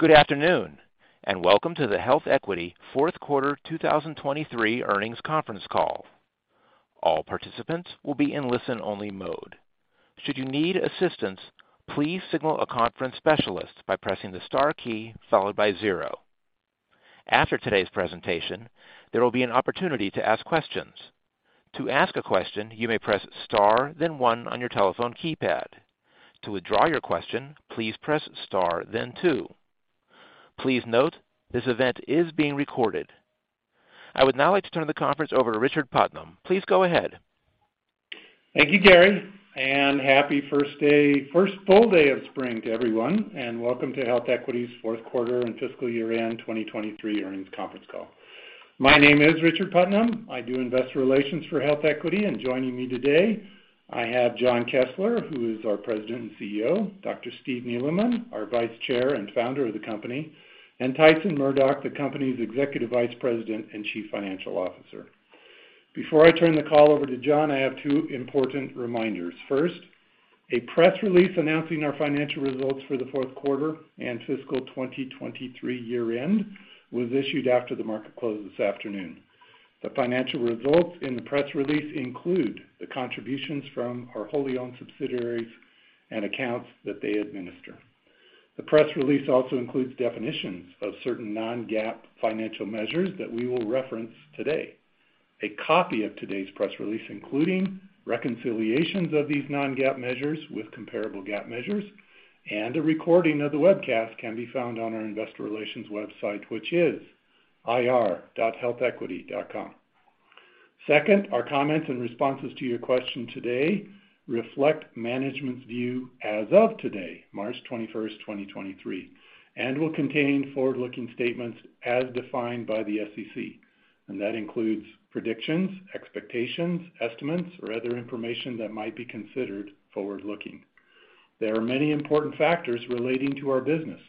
Good afternoon, welcome to the HealthEquity fourth quarter 2023 earnings conference call. All participants will be in listen-only mode. Should you need assistance, please signal a conference specialist by pressing the star key followed by zero. After today's presentation, there will be an opportunity to ask questions. To ask a question, you may press star then one on your telephone keypad. To withdraw your question, please press star then two. Please note this event is being recorded. I would now like to turn the conference over to Richard Putnam. Please go ahead. Thank you, Gary, happy first full day of spring to everyone, welcome to HealthEquity's fourth quarter and fiscal year-end 2023 earnings conference call. My name is Richard Putnam. I do investor relations for HealthEquity. Joining me today I have Jon Kessler, who is our President and CEO, Dr. Steve Neeleman, our Vice Chair and Founder of the company, and Tyson Murdock, the company's Executive Vice President and Chief Financial Officer. Before I turn the call over to Jon, I have two important reminders. First, a press release announcing our financial results for the fourth quarter and fiscal 2023 year-end was issued after the market closed this afternoon. The financial results in the press release include the contributions from our wholly owned subsidiaries and accounts that they administer. The press release also includes definitions of certain non-GAAP financial measures that we will reference today. A copy of today's press release, including reconciliations of these non-GAAP measures with comparable GAAP measures and a recording of the webcast can be found on our investor relations website, which is ir.healthequity.com. Second, our comments and responses to your question today reflect management's view as of today, March 21, 2023, and will contain forward-looking statements as defined by the SEC. That includes predictions, expectations, estimates or other information that might be considered forward-looking. There are many important factors relating to our business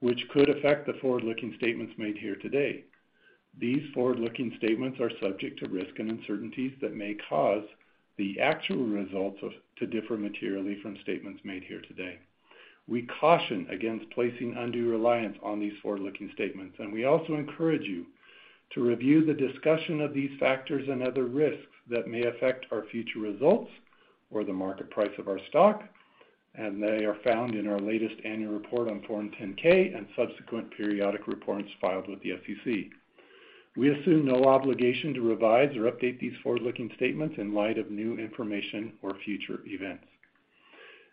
which could affect the forward-looking statements made here today. These forward-looking statements are subject to risks and uncertainties that may cause the actual results to differ materially from statements made here today. We caution against placing undue reliance on these forward-looking statements. We also encourage you to review the discussion of these factors and other risks that may affect our future results or the market price of our stock. They are found in our latest annual report on Form 10-K and subsequent periodic reports filed with the SEC. We assume no obligation to revise or update these forward-looking statements in light of new information or future events.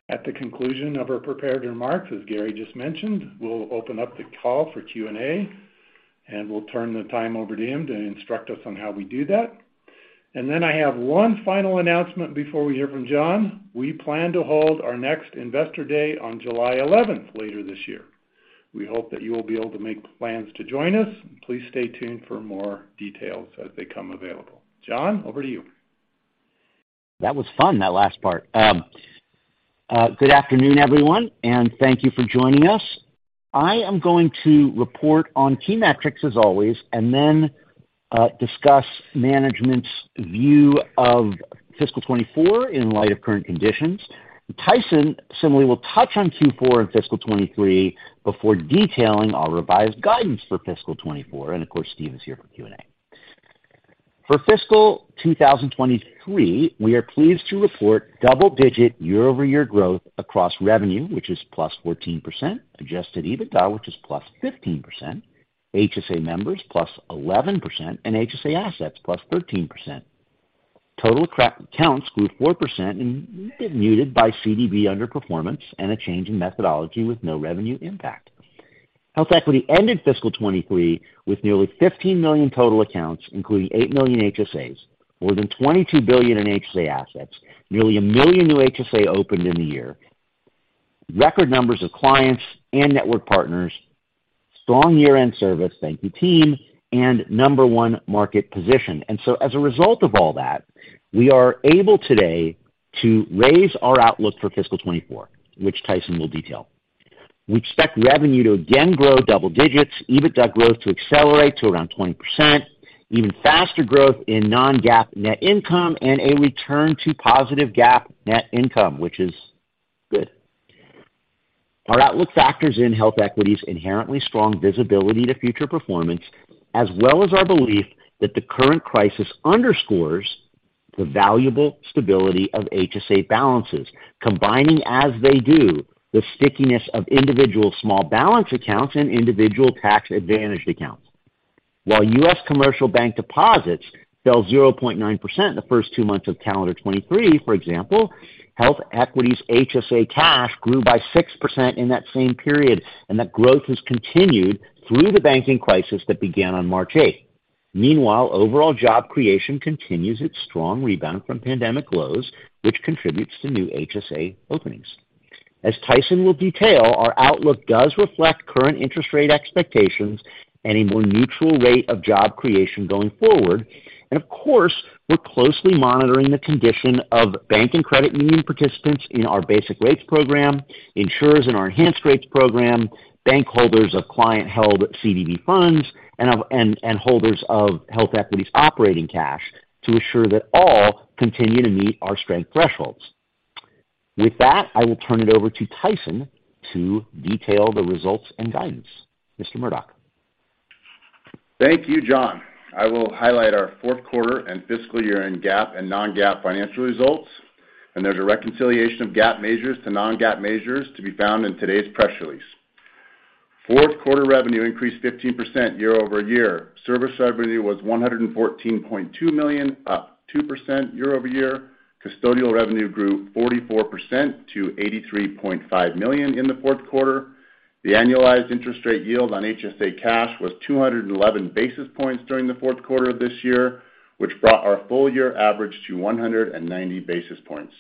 At the conclusion of our prepared remarks, as Gary just mentioned, we'll open up the call for Q&A. We'll turn the time over to him to instruct us on how we do that. Then I have one final announcement before we hear from Jon. We plan to hold our next Investor Day on July eleventh later this year. We hope that you will be able to make plans to join us, and please stay tuned for more details as they come available. Jon, over to you. That was fun, that last part. Good afternoon, everyone, and thank you for joining us. I am going to report on key metrics, as always, and then discuss management's view of fiscal 2024 in light of current conditions. Tyson similarly will touch on Q4 and fiscal 2023 before detailing our revised guidance for fiscal 2024, and of course, Steve is here for Q&A. For fiscal 2023, we are pleased to report double-digit year-over-year growth across revenue, which is +14%, adjusted EBITDA, which is +15%, HSA members +11%, and HSA assets +13%. Total accounts grew 4% and muted by CDB underperformance and a change in methodology with no revenue impact. HealthEquity ended fiscal 2023 with nearly 15 million total accounts, including 8 million HSAs, more than $22 billion in HSA assets, nearly 1 million new HSA opened in the year, record numbers of clients and network partners, strong year-end service, thank you team, and number one market position. As a result of all that, we are able today to raise our outlook for fiscal 2024, which Tyson will detail. We expect revenue to again grow double digits, EBITDA growth to accelerate to around 20%, even faster growth in non-GAAP net income and a return to positive GAAP net income, which is good. Our outlook factors in HealthEquity's inherently strong visibility to future performance, as well as our belief that the current crisis underscores the valuable stability of HSA balances, combining as they do the stickiness of individual small balance accounts and individual tax advantaged accounts. While U.S. commercial bank deposits fell 0.9% in the first two months of calendar 23, for example, HealthEquity's HSA cash grew by 6% in that same period, that growth has continued through the banking crisis that began on March 8th. Meanwhile, overall job creation continues its strong rebound from pandemic lows, which contributes to new HSA openings. As Tyson will detail, our outlook does reflect current interest rate expectations and a more neutral rate of job creation going forward. Of course, we're closely monitoring the condition of bank and credit union participants in our Basic Rates program, insurers in our Enhanced Rates program, bank holders of client-held CDB funds and holders of HealthEquity's operating cash to ensure that all continue to meet our strength thresholds. With that, I will turn it over to Tyson to detail the results and guidance. Mr. Murdock. Thank you, Jon. I will highlight our fourth quarter and fiscal year-end GAAP and non-GAAP financial results. There's a reconciliation of GAAP measures to non-GAAP measures to be found in today's press release. Fourth quarter revenue increased 15% year-over-year. Service revenue was $114.2 million, up 2% year-over-year. Custodial revenue grew 44% to $83.5 million in the fourth quarter. The annualized interest rate yield on HSA cash was 211 basis points during the fourth quarter of this year, which brought our full year average to 190 basis points.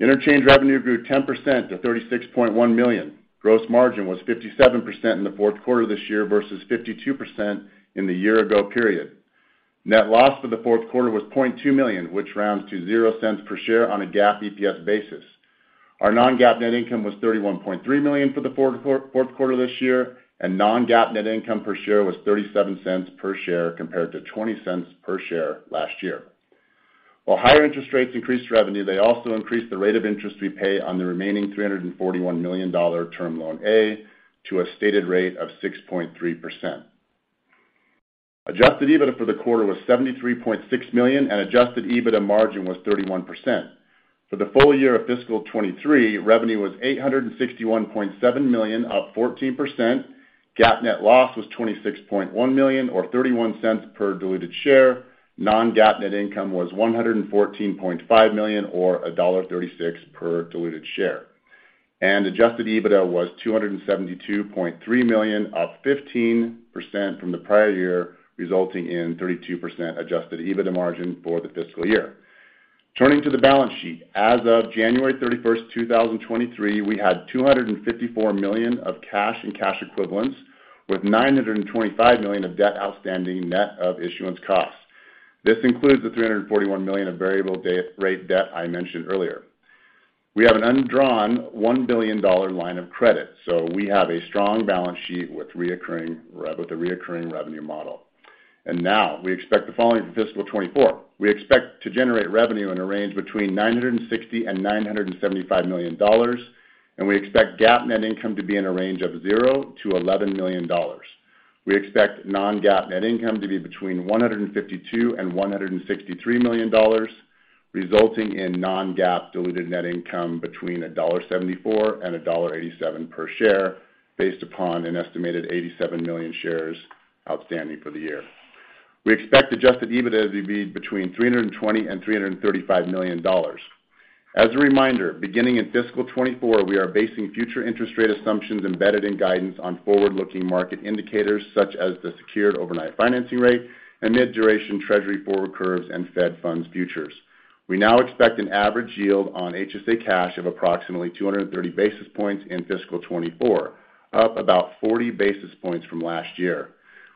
Interchange revenue grew 10% to $36.1 million. Gross margin was 57% in the fourth quarter this year versus 52% in the year ago period. Net loss for the fourth quarter was $0.2 million, which rounds to $0.00 per share on a GAAP EPS basis. Our non-GAAP net income was $31.3 million for the fourth quarter this year, and non-GAAP net income per share was $0.37 per share compared to $0.20 per share last year. While higher interest rates increased revenue, they also increased the rate of interest we pay on the remaining $341 million Term Loan A to a stated rate of 6.3%. Adjusted EBITDA for the quarter was $73.6 million, and adjusted EBITDA margin was 31%. For the full year of fiscal 2023, revenue was $861.7 million, up 14%. GAAP net loss was $26.1 million, or $0.31 per diluted share. Non-GAAP net income was $114.5 million, or $1.36 per diluted share. Adjusted EBITDA was $272.3 million, up 15% from the prior year, resulting in 32% adjusted EBITDA margin for the fiscal year. Turning to the balance sheet. As of January 31, 2023, we had $254 million of cash and cash equivalents, with $925 million of debt outstanding net of issuance costs. This includes the $341 million of variable rate debt I mentioned earlier. We have an undrawn $1 billion line of credit, so we have a strong balance sheet with a reoccurring revenue model. Now, we expect the following for fiscal 2024. We expect to generate revenue in a range between $960 million and $975 million, we expect GAAP net income to be in a range of $0 to $11 million. We expect non-GAAP net income to be between $152 million and $163 million, resulting in non-GAAP diluted net income between $1.74 and $1.87 per share based upon an estimated 87 million shares outstanding for the year. We expect adjusted EBITDA to be between $320 million and $335 million. As a reminder, beginning in fiscal 2024, we are basing future interest rate assumptions embedded in guidance on forward-looking market indicators such as the Secured Overnight Financing Rate and Mid-duration Treasury forward curves and Fed Funds futures. We now expect an average yield on HSA cash of approximately 230 basis points in fiscal 2024, up about 40 basis points from last year.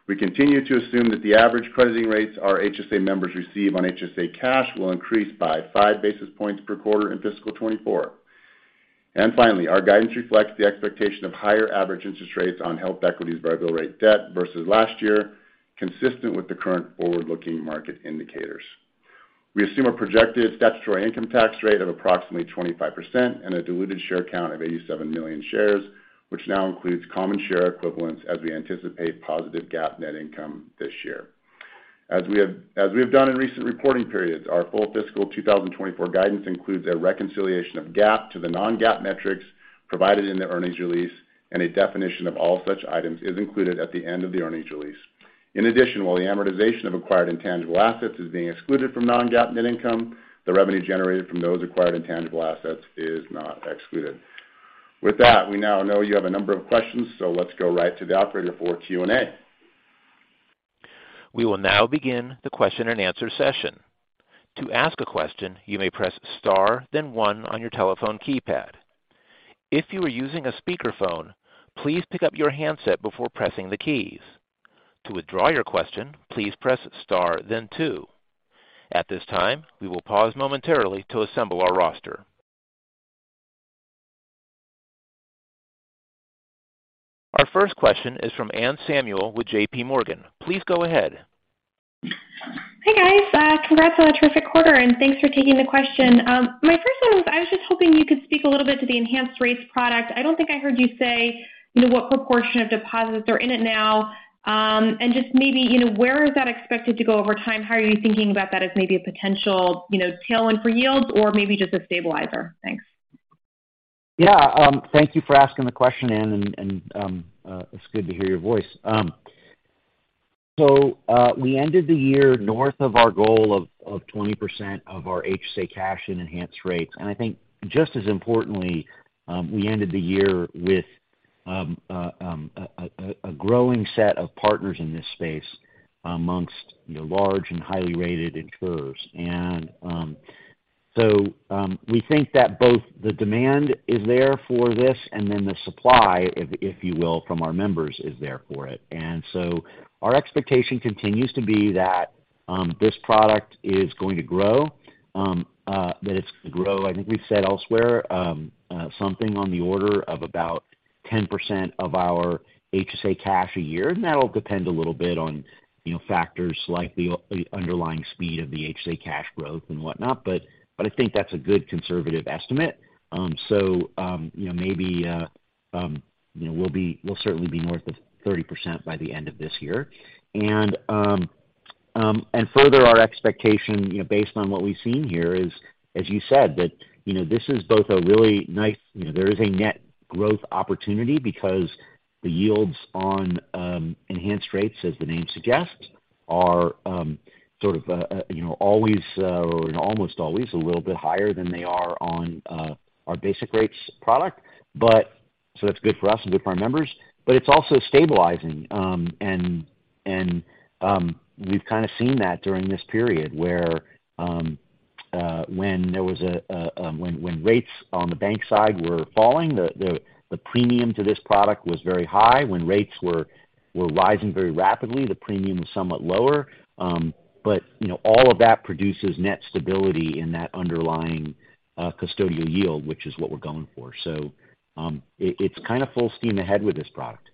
We continue to assume that the average crediting rates our HSA members receive on HSA cash will increase by 5 basis points per quarter in fiscal 2024. Finally, our guidance reflects the expectation of higher average interest rates on HealthEquity's variable rate debt versus last year, consistent with the current forward-looking market indicators. We assume a projected statutory income tax rate of approximately 25% and a diluted share count of 87 million shares, which now includes common share equivalents as we anticipate positive GAAP net income this year. As we have done in recent reporting periods, our full fiscal 2024 guidance includes a reconciliation of GAAP to the non-GAAP metrics provided in the earnings release. A definition of all such items is included at the end of the earnings release. In addition, while the amortization of acquired intangible assets is being excluded from non-GAAP net income, the revenue generated from those acquired intangible assets is not excluded. With that, we now know you have a number of questions. Let's go right to the operator for Q&A. We will now begin the question and answer session. To ask a question, you may press star then one on your telephone keypad. If you are using a speakerphone, please pick up your handset before pressing the keys. To withdraw your question, please press star then two. At this time, we will pause momentarily to assemble our roster. Our first question is from Anne Samuel with J.P. Morgan. Please go ahead. Hey, guys. congrats on a terrific quarter, and thanks for taking the question. My first one was I was just hoping you could speak a little bit to the Enhanced Rates product. I don't think I heard you say, you know, what proportion of deposits are in it now, and just maybe, you know, where is that expected to go over time? How are you thinking about that as maybe a potential, you know, tailwind for yields or maybe just a stabilizer? Thanks. Yeah. Thank you for asking the question, Anne, and it's good to hear your voice. We ended the year north of our goal of 20% of our HSA cash in Enhanced Rates. I think just as importantly, we ended the year with a growing set of partners in this space amongst the large and highly rated insurers. We think that both the demand is there for this and then the supply, if you will, from our members, is there for it. Our expectation continues to be that this product is going to grow, that it's gonna grow, I think we've said elsewhere, something on the order of about 10% of our HSA cash a year, and that'll depend a little bit on, you know, factors like the underlying speed of the HSA cash growth and whatnot. I think that's a good conservative estimate. You know, maybe, we'll certainly be north of 30% by the end of this year. Further our expectation, you know, based on what we've seen here is, as you said, that, you know, this is both a really nice... You know, there is a net growth opportunity because the yields on Enhanced Rates, as the name suggests, are, sort of, you know, always, or almost always a little bit higher than they are on our Basic Rates product. That's good for us and good for our members. It's also stabilizing. We've kinda seen that during this period where when rates on the bank side were falling, the premium to this product was very high. When rates were rising very rapidly, the premium was somewhat lower. You know, all of that produces net stability in that underlying custodial yield, which is what we're going for. It's kind of full steam ahead with this product.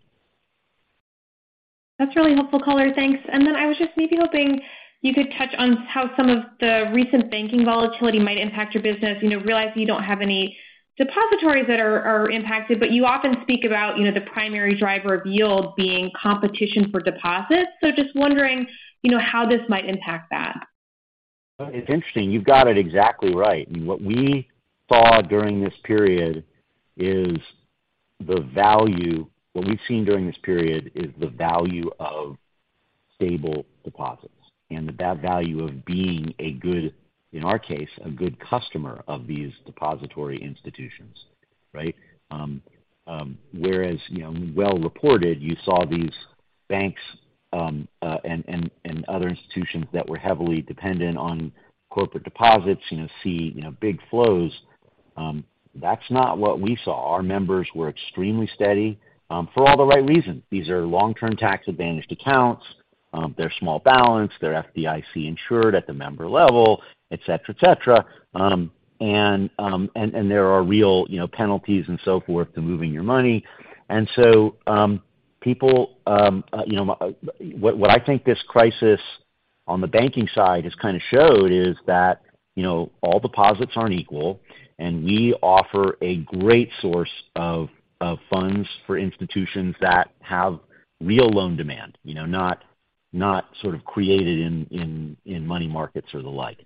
That's really helpful color. Thanks. Then I was just maybe hoping you could touch on how some of the recent banking volatility might impact your business. You know, realize you don't have any depositories that are impacted, but you often speak about, you know, the primary driver of yield being competition for deposits. Just wondering, you know, how this might impact that. It's interesting. You've got it exactly right. What we've seen during this period is the value of stable deposits and the value of being a good, in our case, a good customer of these depository institutions, right? whereas, you know, well reported, you saw these banks, and other institutions that were heavily dependent on corporate deposits, you know, see, you know, big flows. That's not what we saw. Our members were extremely steady for all the right reasons. These are long-term tax-advantaged accounts. They're small balance. They're FDIC insured at the member level, et cetera, et cetera. And there are real, you know, penalties and so forth to moving your money. People, you know... What I think this crisis on the banking side has kinda showed is that, you know, all deposits aren't equal, and we offer a great source of funds for institutions that have real loan demand, you know, not sort of created in money markets or the like.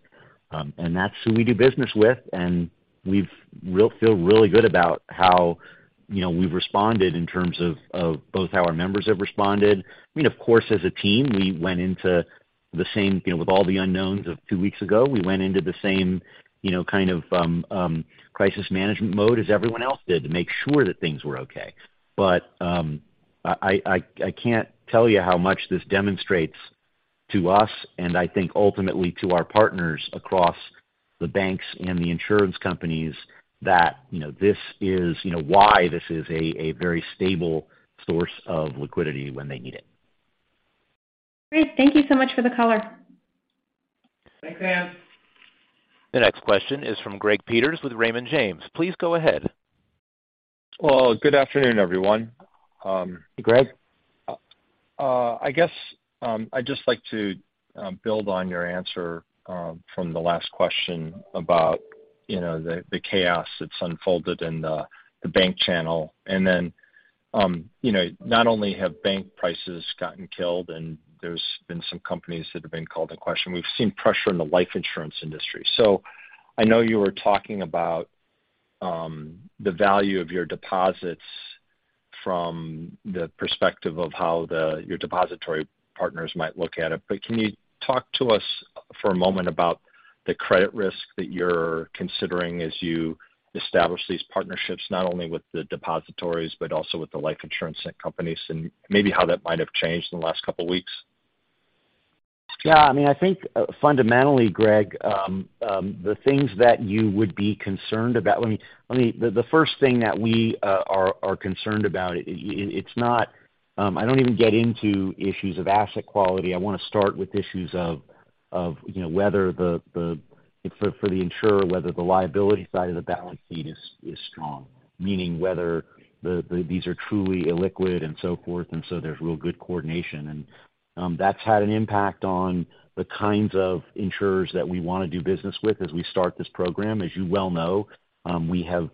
And that's who we do business with, and we feel really good about how, you know, we've responded in terms of both how our members have responded. I mean, of course, as a team, we went into the same, you know, with all the unknowns of two weeks ago, we went into the same, you know, kind of crisis management mode as everyone else did to make sure that things were okay. I can't tell you how much this demonstrates to us and I think ultimately to our partners across the banks and the insurance companies that, you know, this is, you know, why this is a very stable source of liquidity when they need it. Great. Thank you so much for the color. Thanks, Anne. The next question is from Greg Peters with Raymond James. Please go ahead. Well, good afternoon, everyone. Hey, Greg. I guess, I'd just like to build on your answer from the last question about, you know, the chaos that's unfolded in the bank channel. You know, not only have bank prices gotten killed and there's been some companies that have been called into question. We've seen pressure in the life insurance industry. I know you were talking about the value of your deposits from the perspective of how the, your depository partners might look at it. Can you talk to us for a moment about the credit risk that you're considering as you establish these partnerships not only with the depositories, but also with the life insurance companies and maybe how that might have changed in the last couple weeks? Yeah. I mean, I think fundamentally, Greg, the things that you would be concerned about... Let me. The first thing that we are concerned about, I don't even get into issues of asset quality. I wanna start with issues of, you know, whether the... For the insurer, whether the liability side of the balance sheet is strong, meaning whether these are truly illiquid and so forth, and so there's real good coordination. That's had an impact on the kinds of insurers that we wanna do business with as we start this program. As you well know, we have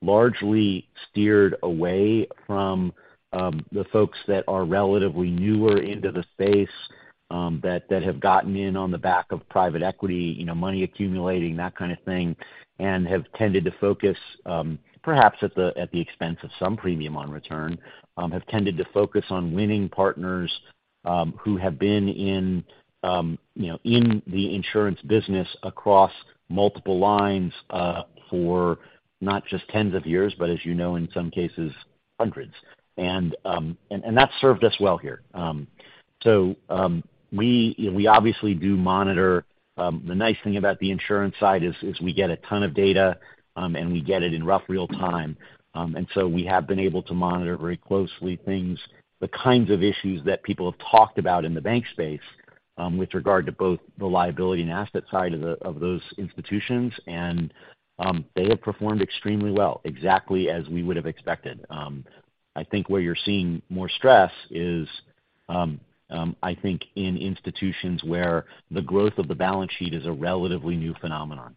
largely steered away from the folks that are relatively newer into the space, that have gotten in on the back of private equity, you know, money accumulating, that kind of thing, and have tended to focus, perhaps at the expense of some premium on return, have tended to focus on winning partners, who have been in, you know, in the insurance business across multiple lines, for not just tens of years, but as you know, in some cases, hundreds. That's served us well here. We, you know, we obviously do monitor. The nice thing about the insurance side is we get a ton of data, and we get it in rough real-time. We have been able to monitor very closely things, the kinds of issues that people have talked about in the bank space. With regard to both the liability and asset side of those institutions, and they have performed extremely well, exactly as we would have expected. I think where you're seeing more stress is, I think in institutions where the growth of the balance sheet is a relatively new phenomenon.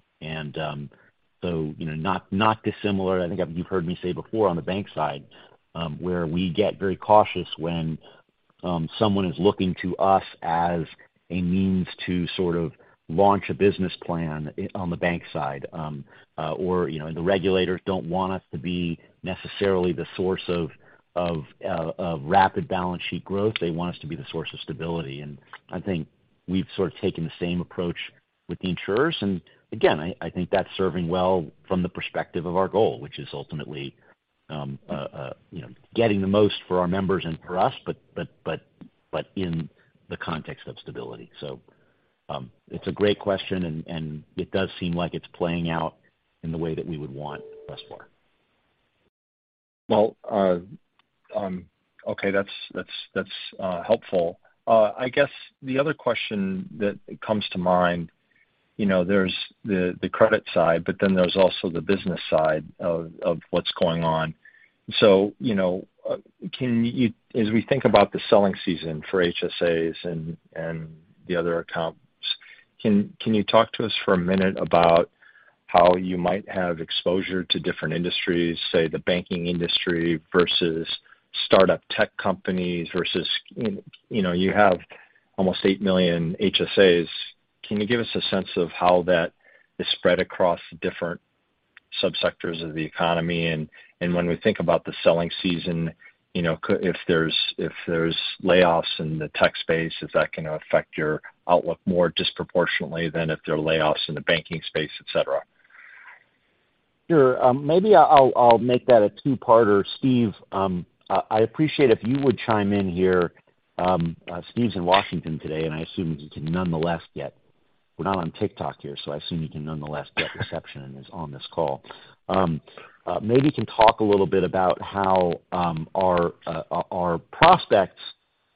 So, you know, not dissimilar, I think you've heard me say before on the bank side, where we get very cautious when someone is looking to us as a means to sort of launch a business plan on the bank side, or, you know, the regulators don't want us to be necessarily the source of rapid balance sheet growth. They want us to be the source of stability. I think we've sort of taken the same approach with the insurers. Again, I think that's serving well from the perspective of our goal, which is ultimately, you know, getting the most for our members and for us, but in the context of stability. It's a great question, and it does seem like it's playing out in the way that we would want thus far. Well, okay, that's helpful. I guess the other question that comes to mind, you know, there's the credit side, but then there's also the business side of what's going on. You know, as we think about the selling season for HSAs and the other accounts, can you talk to us for a minute about how you might have exposure to different industries, say, the banking industry versus startup tech companies versus, you know, you have almost 8 million HSAs. Can you give us a sense of how that is spread across different subsectors of the economy? When we think about the selling season, you know, if there's layoffs in the tech space, if that can affect your outlook more disproportionately than if there are layoffs in the banking space, et cetera. Sure. maybe I'll make that a two-parter. Steve, I appreciate if you would chime in here. Steve's in Washington today, and I assume you can nonetheless get... We're not on TikTok here, so I assume you can nonetheless get reception and is on this call. maybe you can talk a little bit about how our prospects,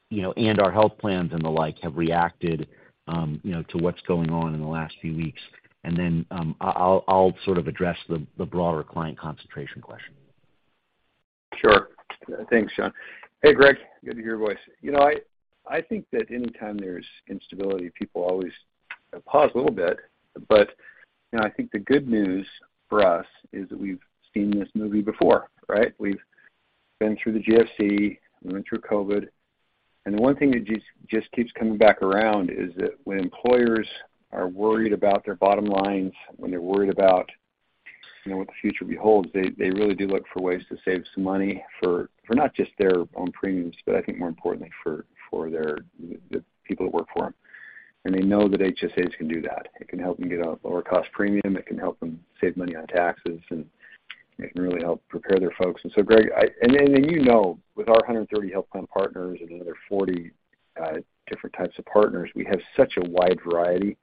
you know, and our health plans and the like have reacted, you know, to what's going on in the last few weeks. Then I'll sort of address the broader client concentration question. Sure. Thanks, Jon. Hey, Greg, good to hear your voice. You know, I think that anytime there's instability, people always pause a little bit. You know, I think the good news for us is that we've seen this movie before, right? We've been through the GFC, we went through COVID. The one thing that just keeps coming back around is that when employers are worried about their bottom lines, when they're worried about, you know, what the future beholds, they really do look for ways to save some money for not just their own premiums, but I think more importantly for their, the people that work for them. They know that HSAs can do that. It can help them get a lower cost premium. It can help them save money on taxes. It can really help prepare their folks. Greg, you know, with our 130 health plan partners and another 40 different types of partners, we have such a wide variety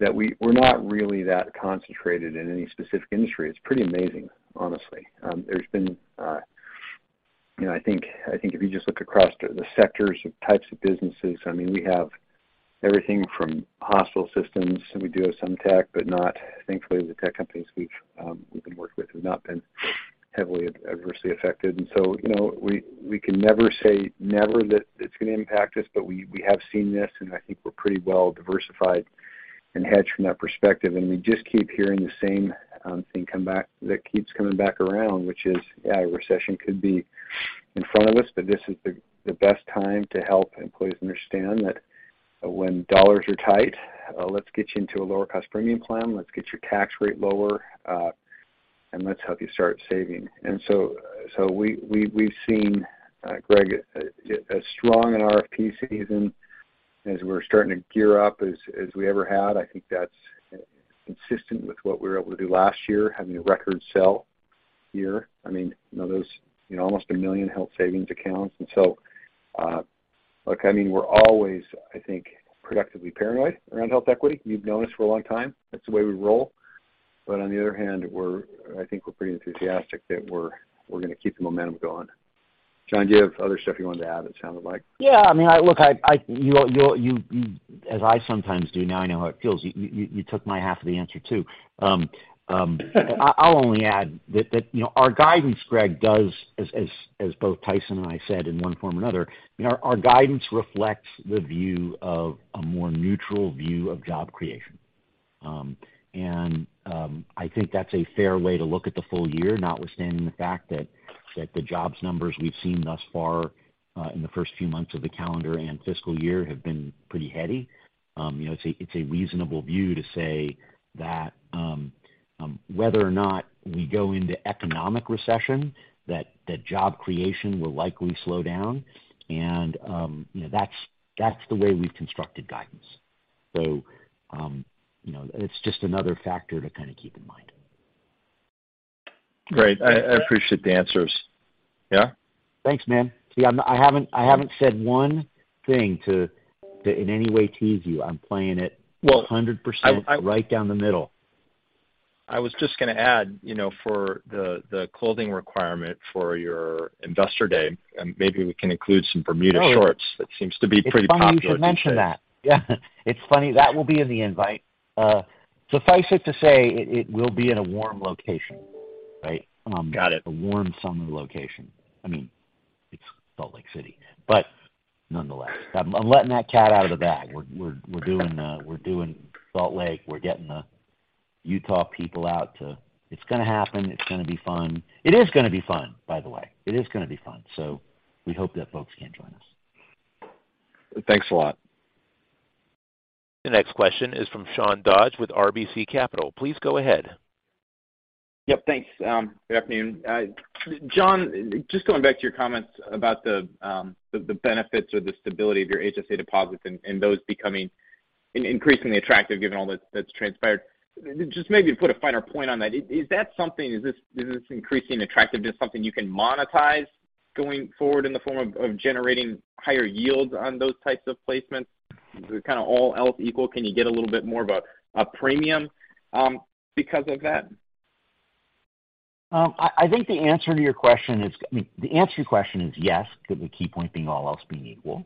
that we're not really that concentrated in any specific industry. It's pretty amazing, honestly. There's been, you know, if you just look across the sectors of types of businesses, I mean, we have everything from hospital systems, and we do have some tech, but not, thankfully, the tech companies we've been working with have not been heavily adversely affected. You know, we can never say never that it's gonna impact us, but we have seen this, and I think we're pretty well diversified and hedged from that perspective. We just keep hearing the same thing come back, that keeps coming back around, which is, yeah, a recession could be in front of us, but this is the best time to help employees understand that when dollars are tight, let's get you into a lower cost premium plan, let's get your tax rate lower, and let's help you start saving. So we've seen, Greg, a strong an RFP season as we ever had. I think that's consistent with what we were able to do last year, having a record sell year. I mean, you know, those, almost 1 million health savings accounts. So, look, I mean, we're always, I think, productively paranoid around HealthEquity. You've known us for a long time. That's the way we roll. On the other hand, I think we're pretty enthusiastic that we're gonna keep the momentum going. Jon, do you have other stuff you wanted to add? It sounded like. Yeah. I mean, look, you, as I sometimes do, now I know how it feels, you took my half of the answer, too. I'll only add that, you know, our guidance, Greg, does as both Tyson and I said in one form or another, you know, our guidance reflects the view of a more neutral view of job creation. I think that's a fair way to look at the full year, notwithstanding the fact that the jobs numbers we've seen thus far, in the first few months of the calendar and fiscal year have been pretty heady. You know, it's a reasonable view to say that whether or not we go into economic recession, that job creation will likely slow down. You know, that's the way we've constructed guidance. You know, it's just another factor to kind of keep in mind. Great. I appreciate the answers. Yeah? Thanks, man. See, I haven't said one thing to in any way tease you. I'm playing it. Well, I... 100% right down the middle. I was just gonna add, you know, for the clothing requirement for your Investor Day, and maybe we can include some Bermuda shorts that seems to be pretty popular these days. It's funny you should mention that. Yeah. It's funny. That will be in the invite. Suffice it to say it will be in a warm location, right? Got it. A warm summer location. I mean, it's Salt Lake City, nonetheless. I'm letting that cat out of the bag. We're doing Salt Lake. We're getting the Utah people out to. It's gonna happen. It's gonna be fun. It is gonna be fun, by the way. It is gonna be fun. We hope that folks can join us. Thanks a lot. The next question is from Sean Dodge with RBC Capital. Please go ahead. Yep, thanks. Good afternoon. Jon, just going back to your comments about the benefits or the stability of your HSA deposits and those becoming increasingly attractive given all that's transpired. Just maybe to put a finer point on that, is that something? Is this increasing attractiveness something you can monetize going forward in the form of generating higher yields on those types of placements? Is it kind of all else equal, can you get a little bit more of a premium because of that? I think the answer to your question is, I mean, the answer to your question is yes, the key point being all else being equal.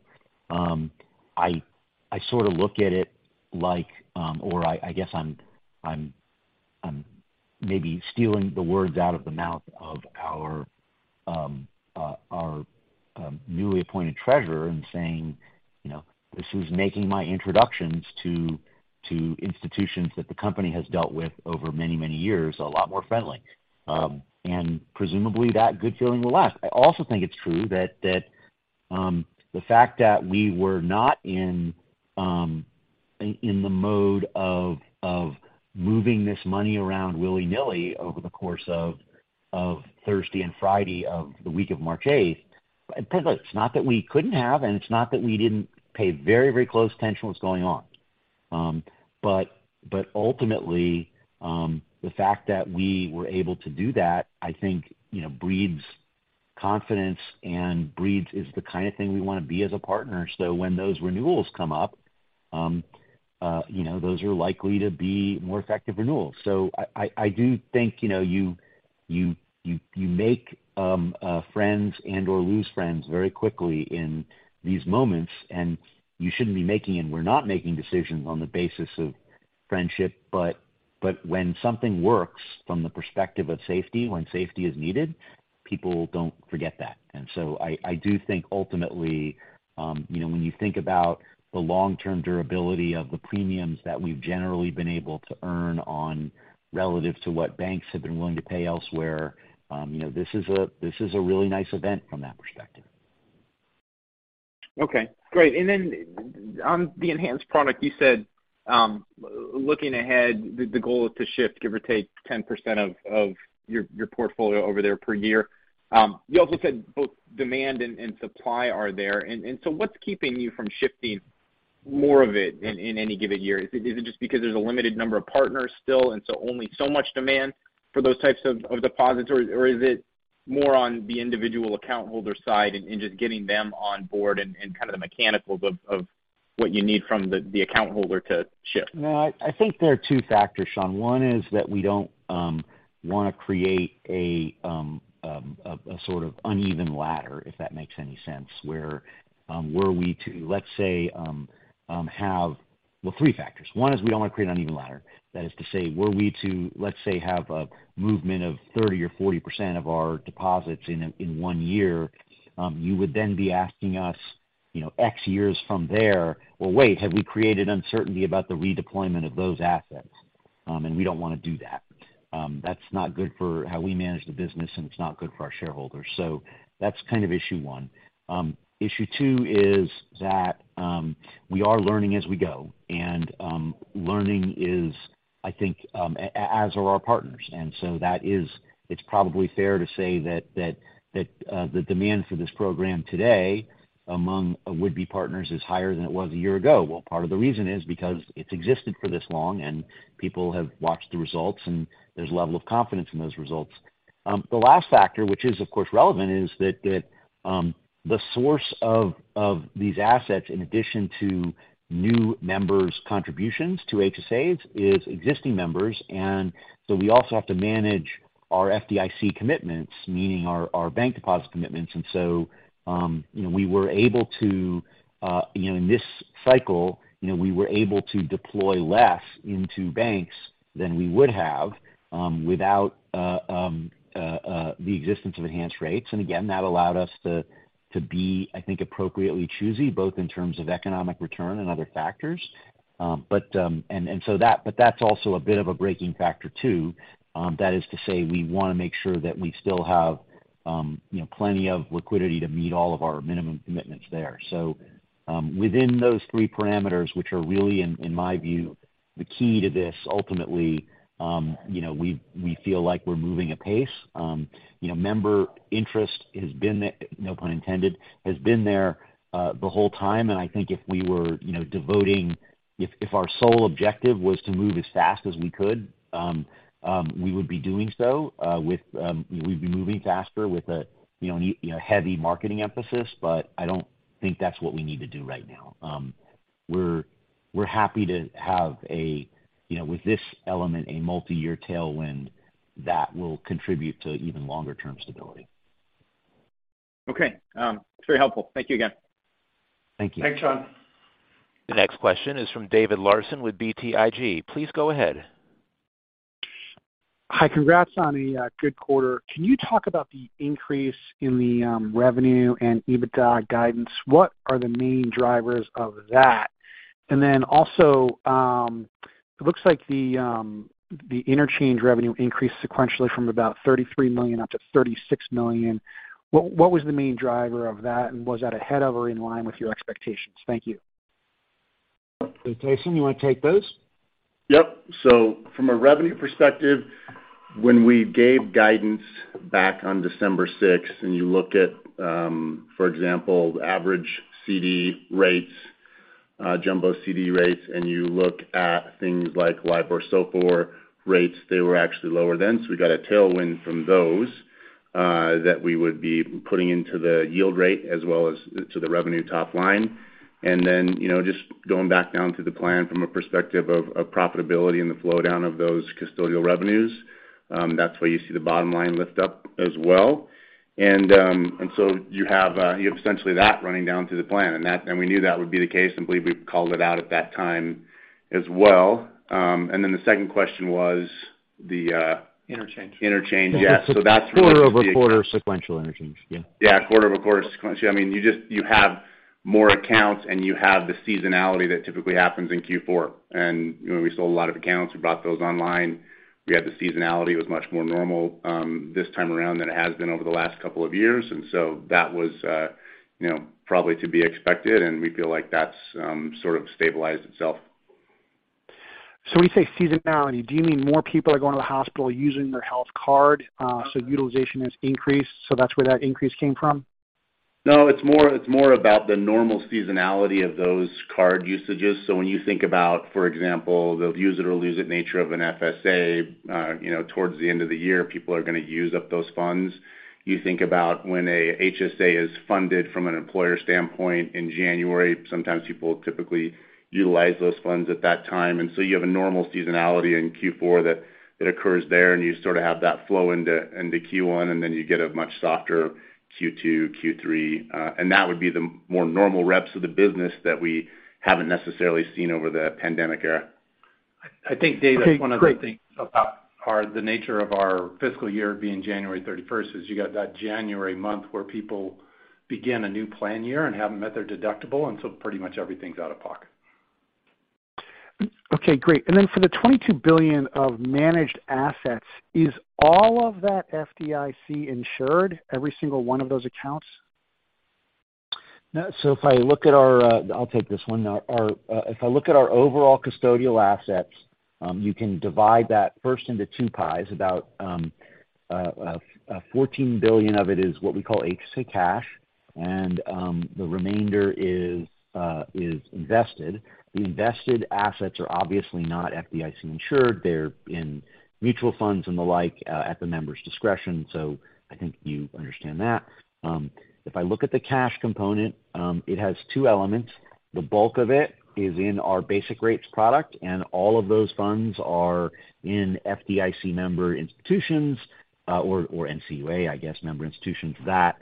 I sort of look at it like, or I guess I'm maybe stealing the words out of the mouth of our newly appointed treasurer in saying, you know, this is making my introductions to institutions that the company has dealt with over many years, a lot more friendly. Presumably that good feeling will last. I also think it's true that the fact that we were not in the mode of moving this money around willy-nilly over the course of Thursday and Friday of the week of March eighth. It's not that we couldn't have, and it's not that we didn't pay very, very close attention to what's going on. Ultimately, the fact that we were able to do that, I think, you know, breeds confidence and breeds is the kind of thing we wanna be as a partner. When those renewals come up, you know, those are likely to be more effective renewals. I do think, you know, you make friends and or lose friends very quickly in these moments, and you shouldn't be making, and we're not making decisions on the basis of friendship. When something works from the perspective of safety, when safety is needed, people don't forget that. I do think ultimately, you know, when you think about the long-term durability of the premiums that we've generally been able to earn on relative to what banks have been willing to pay elsewhere, you know, this is a really nice event from that perspective. Okay, great. On the Enhanced product, you said, looking ahead, the goal is to shift give or take 10% of your portfolio over there per year. You also said both demand and supply are there. What's keeping you from shifting more of it in any given year? Is it just because there's a limited number of partners still, and so only so much demand for those types of deposits? Is it more on the individual account holder side and just getting them on board and kind of the mechanicals of what you need from the account holder to shift? No, I think there are two factors, Sean. One is that we don't wanna create a sort of uneven ladder, if that makes any sense. Well, three factors. One is we don't wanna create an uneven ladder. That is to say, were we to, let's say, have a movement of 30% or 40% of our deposits in a, in one year, you would then be asking us, you know, X years from there, well, wait, have we created uncertainty about the redeployment of those assets? We don't wanna do that. That's not good for how we manage the business, and it's not good for our shareholders. That's kind of issue one. Issue two is that we are learning as we go. Learning is, I think, as are our partners. That is, it's probably fair to say that the demand for this program today among would-be partners is higher than it was one year ago. Part of the reason is because it's existed for this long and people have watched the results, and there's a level of confidence in those results. The last factor, which is of course relevant, is that the source of these assets, in addition to new members' contributions to HSAs, is existing members. We also have to manage our FDIC commitments, meaning our bank deposit commitments. You know, we were able to, you know, in this cycle, you know, we were able to deploy less into banks than we would have without the existence of Enhanced Rates. That allowed us to be, I think, appropriately choosy, both in terms of economic return and other factors. That's also a bit of a breaking factor too. That is to say, we wanna make sure that we still have, you know, plenty of liquidity to meet all of our minimum commitments there. Within those three parameters, which are really in my view, the key to this ultimately, you know, we feel like we're moving at pace. you know, member interest has been there, no pun intended, has been there, the whole time. I think if we were, you know, devoting. If our sole objective was to move as fast as we could, we would be doing so, with, we'd be moving faster with a, you know, heavy marketing emphasis. I don't think that's what we need to do right now. We're happy to have a, you know, with this element, a multi-year tailwind that will contribute to even longer term stability. It's very helpful. Thank you again. Thank you. Thanks, Sean. The next question is from David Larsen with BTIG. Please go ahead. Hi. Congrats on a good quarter. Can you talk about the increase in the revenue and EBITDA guidance? What are the main drivers of that? Also, it looks like the interchange revenue increased sequentially from about $33 million up to $36 million. What was the main driver of that? And was that ahead of or in line with your expectations? Thank you. Tyson, you wanna take those? Yep. From a revenue perspective, when we gave guidance back on December 6, and you look at, for example, the average CD rates, jumbo CD rates, and you look at things like LIBOR SOFR rates, they were actually lower then. We got a tailwind from those that we would be putting into the yield rate as well as to the revenue top line. You know, just going back down to the plan from a perspective of profitability and the flow down of those custodial revenues, that's why you see the bottom line lift up as well. You have essentially that running down through the plan, and we knew that would be the case, and I believe we called it out at that time as well. Then the second question was the Interchange. Interchange. Yes. that's- Quarter-over-quarter sequential interchange. Yeah. Yeah. Quarter-over-quarter sequential. I mean, you have more accounts. You have the seasonality that typically happens in Q4. You know, we sold a lot of accounts. We brought those online. We had the seasonality. It was much more normal this time around than it has been over the last couple of years. That was, you know, probably to be expected, and we feel like that's sort of stabilized itself. When you say seasonality, do you mean more people are going to the hospital using their health card, so utilization has increased, so that's where that increase came from? No. It's more about the normal seasonality of those card usages. When you think about, for example, the use it or lose it nature of an FSA, you know, towards the end of the year, people are gonna use up those funds. You think about when a HSA is funded from an employer standpoint in January, sometimes people typically utilize those funds at that time. You have a normal seasonality in Q4 that occurs there, and you sort of have that flow into Q1, and then you get a much softer Q2, Q3. That would be the more normal reps of the business that we haven't necessarily seen over the pandemic era. I think, Dave, that's one of the things about the nature of our fiscal year being January 31st is you got that January month where people begin a new plan year and haven't met their deductible, and so pretty much everything's out of pocket. Okay, great. For the $22 billion of managed assets, is all of that FDIC insured, every single one of those accounts? If I look at our, I'll take this one. If I look at our overall custodial assets, you can divide that first into two pies. About, $14 billion of it is what we call HSA cash, and the remainder is invested. The invested assets are obviously not FDIC insured. They're in mutual funds and the like, at the member's discretion. I think you understand that. If I look at the cash component, it has two elements. The bulk of it is in our Basic Rates product, and all of those funds are in FDIC member institutions, or NCUA, I guess, member institutions that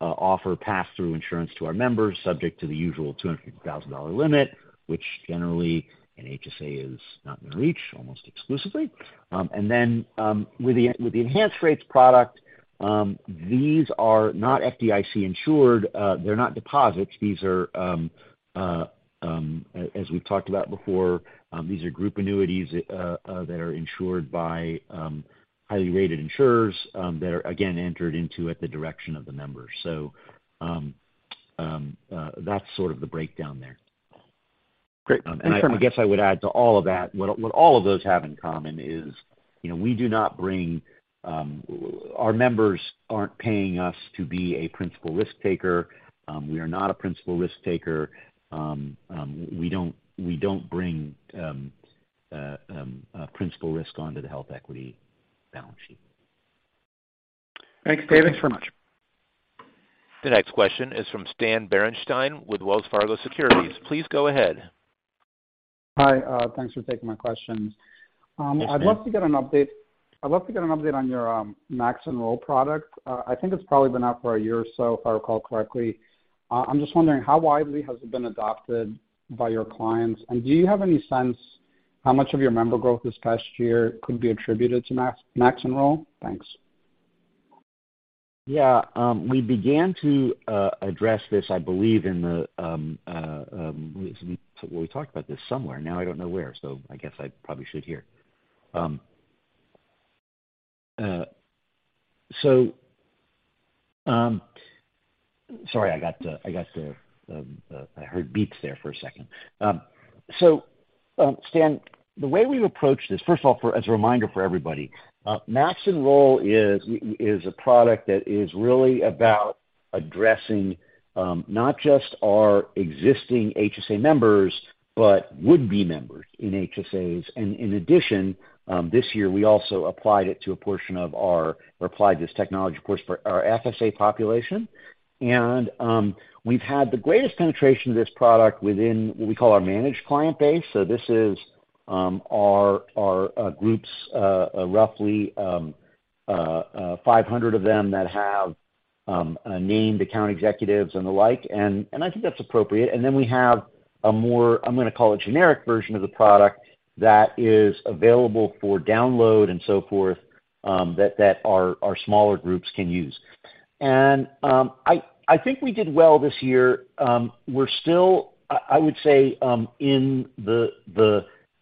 offer pass-through insurance to our members subject to the usual $200,000 limit, which generally an HSA is not gonna reach almost exclusively. Then, with the Enhanced Rates product, these are not FDIC insured. They're not deposits. These are, as we've talked about before, these are group annuities that are insured by highly rated insurers that are again entered into at the direction of the members. That's sort of the breakdown there. Great. I guess I would add to all of that, what all of those have in common is, you know, we do not bring, our members aren't paying us to be a principal risk taker. We are not a principal risk taker. We don't bring principal risk onto the HealthEquity balance sheet. Thanks, David. Thanks very much. The next question is from Stan Berenshteyn with Wells Fargo Securities. Please go ahead. Hi. Thanks for taking my questions. Yes, Stan. I'd love to get an update. I'd love to get an update on your MaxEnroll product. I think it's probably been out for a year or so, if I recall correctly. I'm just wondering how widely has it been adopted by your clients, and do you have any sense how much of your member growth this past year could be attributed to MaxEnroll? Thanks. Yeah. We began to address this, I believe, in the. We talked about this somewhere. Now I don't know where, so I guess I probably should here. Sorry, I heard beeps there for a second. Stan, the way we approach this, first of all, as a reminder for everybody, MaxEnroll is a product that is really about addressing not just our existing HSA members but would-be members in HSAs. In addition, this year we also applied it to a portion of our or applied this technology, of course, for our FSA population. We've had the greatest penetration of this product within what we call our managed client base. This is our groups, roughly 500 of them that have named account executives and the like, I think that's appropriate. Then we have a more, I'm gonna call it generic version of the product that is available for download and so forth, that our smaller groups can use. I think we did well this year. We're still, I would say,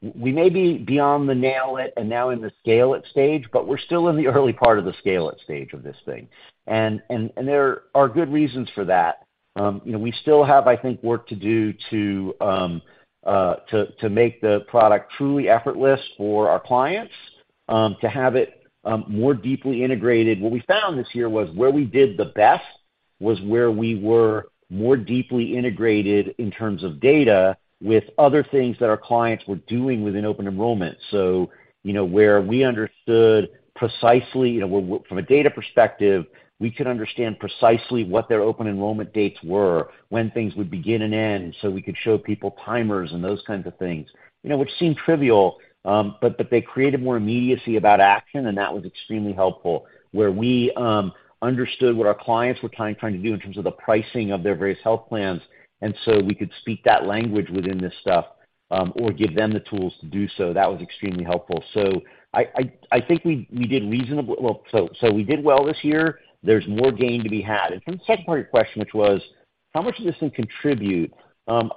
we may be beyond the nail it and now in the scale it stage, but we're still in the early part of the scale it stage of this thing. There are good reasons for that. You know, we still have, I think, work to do to make the product truly effortless for our clients, to have it more deeply integrated. What we found this year was where we did the best was where we were more deeply integrated in terms of data with other things that our clients were doing within open enrollment. You know, where we understood precisely, you know, where from a data perspective, we could understand precisely what their open enrollment dates were, when things would begin and end, so we could show people timers and those kinds of things. You know, which seem trivial, but they created more immediacy about action, and that was extremely helpful, where we understood what our clients were trying to do in terms of the pricing of their various health plans. We could speak that language within this stuff, or give them the tools to do so. That was extremely helpful. I think we did well this year. There's more gain to be had. To the second part of your question, which was how much does this thing contribute? I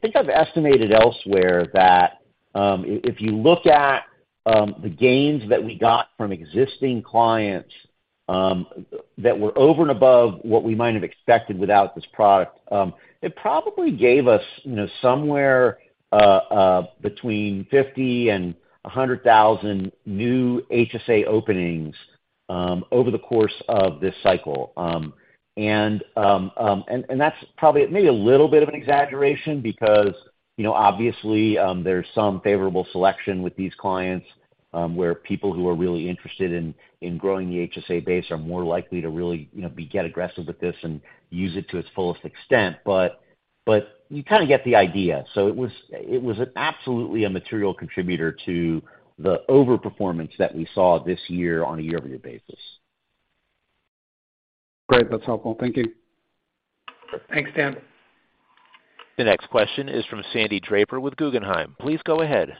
think I've estimated elsewhere that if you look at the gains that we got from existing clients that were over and above what we might have expected without this product, it probably gave us, you know, somewhere between 50,000 and 100,000 new HSA openings over the course of this cycle. That's probably maybe a little bit of an exaggeration because, you know, obviously, there's some favorable selection with these clients, where people who are really interested in growing the HSA base are more likely to really, you know, get aggressive with this and use it to its fullest extent. You kind of get the idea. It was absolutely a material contributor to the overperformance that we saw this year on a year-over-year basis. Great. That's helpful. Thank you. Thanks, Stan. The next question is from Alexander Draper with Guggenheim. Please go ahead.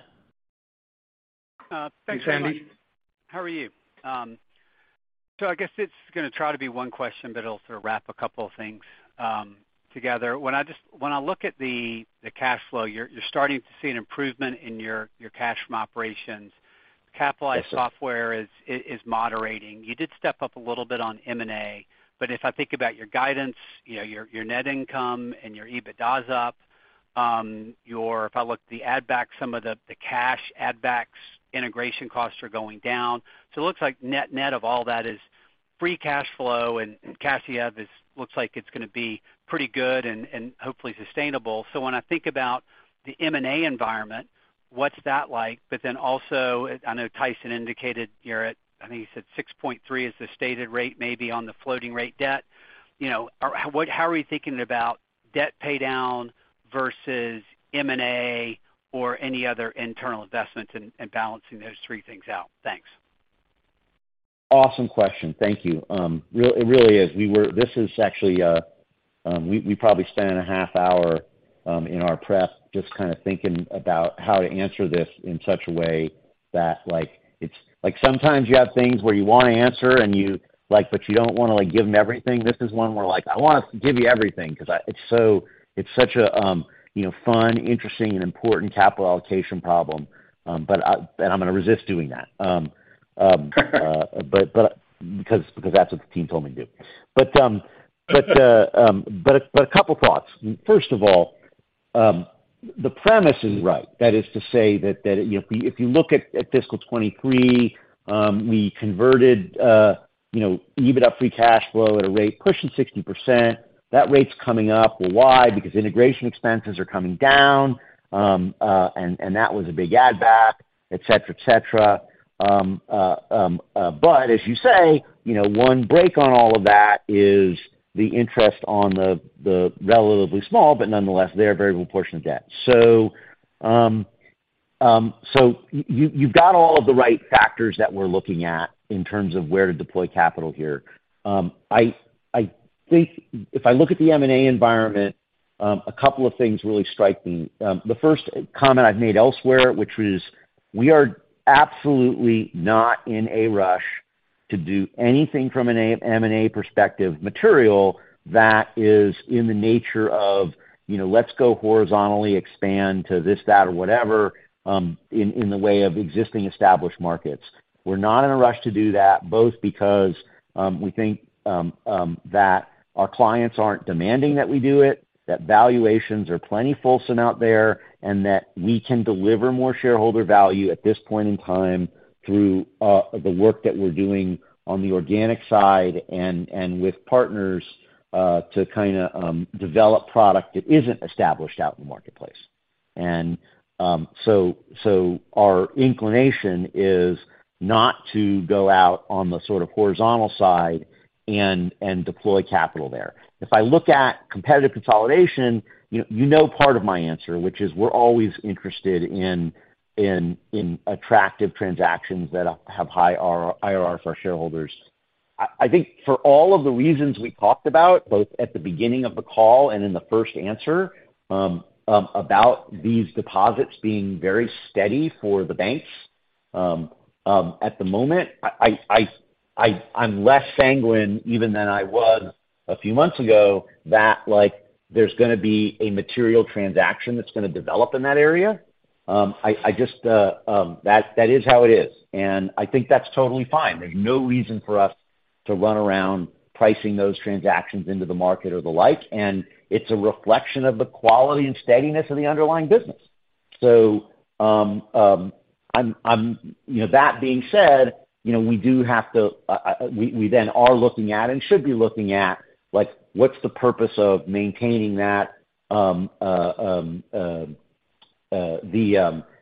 Hey, Sandy. Thanks so much. How are you? I guess it's gonna try to be one question, but it'll sort of wrap a couple of things together. When I look at the cash flow, you're starting to see an improvement in your cash from operations. Capitalized software is moderating. You did step up a little bit on M&A, but if I think about your guidance, you know, your net income and your EBITDA is up. If I look at the add back, some of the cash add backs integration costs are going down. It looks like net-net of all that is free cash flow and cash EF looks like it's gonna be pretty good and hopefully sustainable. When I think about the M&A environment, what's that like? Also, I know Tyson indicated you're at, I think he said 6.3% is the stated rate, maybe on the floating rate debt. You know, how are we thinking about debt paydown versus M&A or any other internal investments and balancing those three things out? Thanks. Awesome question. Thank you. It really is. This is actually, we probably spent an half hour, in our prep just kind of thinking about how to answer this in such a way that, like, it's like, sometimes you have things where you wanna answer and you don't wanna, like, give them everything. This is one where, like, I want to give you everything 'cause it's so it's such a, you know, fun, interesting, and important capital allocation problem. I'm gonna resist doing that. Because that's what the team told me to do. A couple thoughts. First of all, the premise is right. That is to say that, you know, if you look at fiscal 23, we converted, you know, EBITDA free cash flow at a rate pushing 60%. That rate's coming up. Well, why? Because integration expenses are coming down, and that was a big add back, et cetera, et cetera. As you say, you know, one break on all of that is the interest on the relatively small, but nonetheless, they're a very good portion of debt. You've got all of the right factors that we're looking at in terms of where to deploy capital here. I think if I look at the M&A environment, a couple of things really strike me. The first comment I've made elsewhere, which was we are absolutely not in a rush to do anything from an M&A perspective material that is in the nature of, you know, let's go horizontally expand to this, that, or whatever, in the way of existing established markets. We're not in a rush to do that, both because we think that our clients aren't demanding that we do it, that valuations are plenty fulsome out there, and that we can deliver more shareholder value at this point in time through the work that we're doing on the organic side and with partners to kind of develop product that isn't established out in the marketplace. So our inclination is not to go out on the sort of horizontal side and deploy capital there. If I look at competitive consolidation, you know part of my answer, which is we're always interested in attractive transactions that have high IRR for our shareholders. I think for all of the reasons we talked about, both at the beginning of the call and in the first answer, about these deposits being very steady for the banks, at the moment, I'm less sanguine even than I was a few months ago that, like, there's gonna be a material transaction that's gonna develop in that area. I just that is how it is, and I think that's totally fine. There's no reason for us to run around pricing those transactions into the market or the like, and it's a reflection of the quality and steadiness of the underlying business. You know, that being said, you know, we then are looking at and should be looking at, like, what's the purpose of maintaining that, the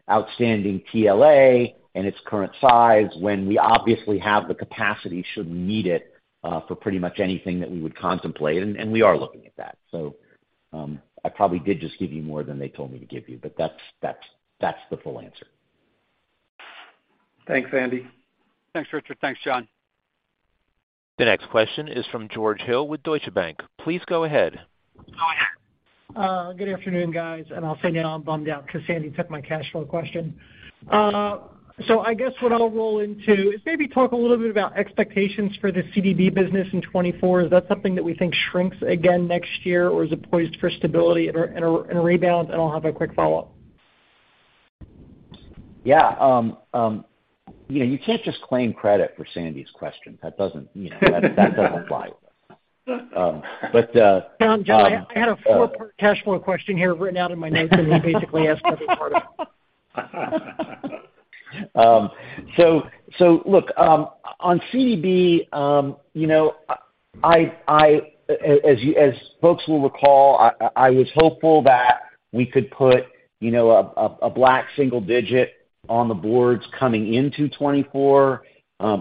outstanding TLA and its current size when we obviously have the capacity should we need it, for pretty much anything that we would contemplate, and we are looking at that. I probably did just give you more than they told me to give you, but that's the full answer. Thanks, Sandy. Thanks, Richard. Thanks, Jon. The next question is from George Hill with Deutsche Bank. Please go ahead. Go ahead. Good afternoon, guys. I'll say now I'm bummed out 'cause Sandy took my cash flow question. I guess what I'll roll into is maybe talk a little bit about expectations for the CDB business in 2024. Is that something that we think shrinks again next year, or is it poised for stability and a rebound? I'll have a quick follow-up. Yeah. you know, you can't just claim credit for Sandy's question. That doesn't, you know, that doesn't fly. Jon, I had a four-part cash flow question here written out in my notes. He basically asked every part of it. Look, on CDB, you know, as folks will recall, I was hopeful that we could put, you know, a, a black single digit on the boards coming into 24.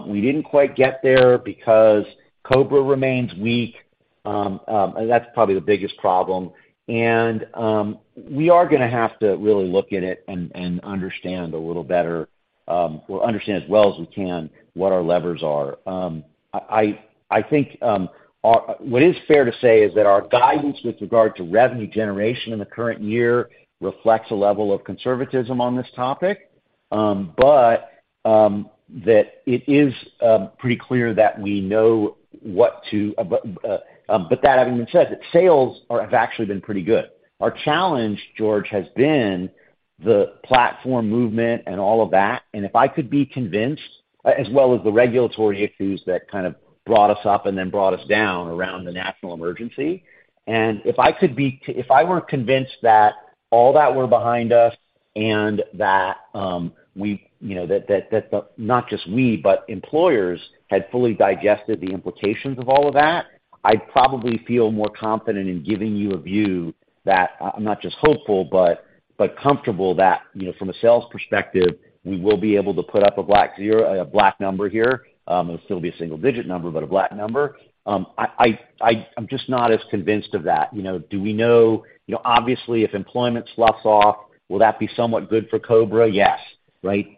We didn't quite get there because COBRA remains weak, and that's probably the biggest problem. We are gonna have to really look at it and understand a little better, or understand as well as we can what our levers are. I, I think, our, what is fair to say is that our guidance with regard to revenue generation in the current year reflects a level of conservatism on this topic, but that it is pretty clear that we know what to, but that having been said, sales have actually been pretty good. Our challenge, George, has been the platform movement and all of that. If I could be convinced, as well as the regulatory issues that kind of brought us up and then brought us down around the national emergency. If I weren't convinced that all that were behind us and that, we, you know, that the, not just we, but employers had fully digested the implications of all of that, I'd probably feel more confident in giving you a view that I'm not just hopeful, but comfortable that, you know, from a sales perspective, we will be able to put up a black number here. It'll still be a single-digit number, but a black number. I'm just not as convinced of that. You know, do we know... You know, obviously, if employment sloughs off, will that be somewhat good for COBRA? Yes, right.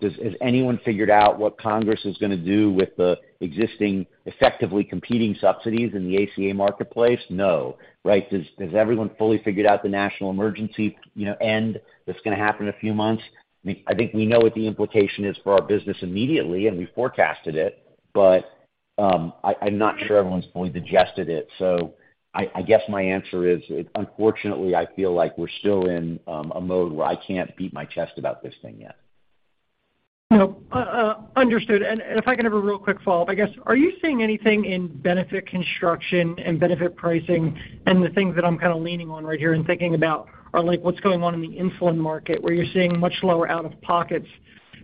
Has anyone figured out what Congress is gonna do with the existing effectively competing subsidies in the ACA marketplace? No, right. Has everyone fully figured out the national emergency, you know, end that's gonna happen in a few months? I think we know what the implication is for our business immediately, and we forecasted it, but I'm not sure everyone's fully digested it. I guess my answer is, unfortunately, I feel like we're still in a mode where I can't beat my chest about this thing yet. You know, understood. If I can have a real quick follow-up, I guess, are you seeing anything in benefit construction and benefit pricing and the things that I'm kind of leaning on right here and thinking about are like what's going on in the insulin market, where you're seeing much lower out-of-pockets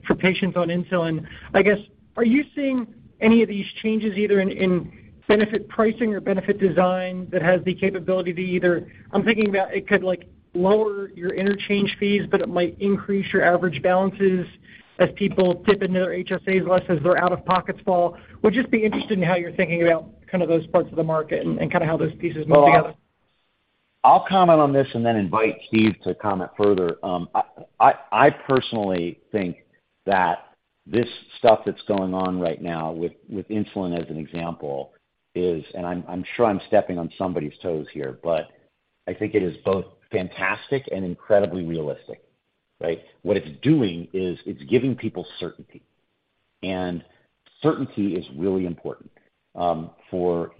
for patients on insulin. I guess, are you seeing any of these changes either in benefit pricing or benefit design that has the capability to either... I'm thinking about it could, like, lower your interchange fees, but it might increase your average balances as people dip into their HSAs less as their out-of-pockets fall. Would just be interested in how you're thinking about kind of those parts of the market and kinda how those pieces move together. Well, I'll comment on this and then invite Steve to comment further. I personally think that this stuff that's going on right now with insulin as an example is, and I'm sure I'm stepping on somebody's toes here, but I think it is both fantastic and incredibly realistic, right? What it's doing is it's giving people certainty. Certainty is really important, you know, for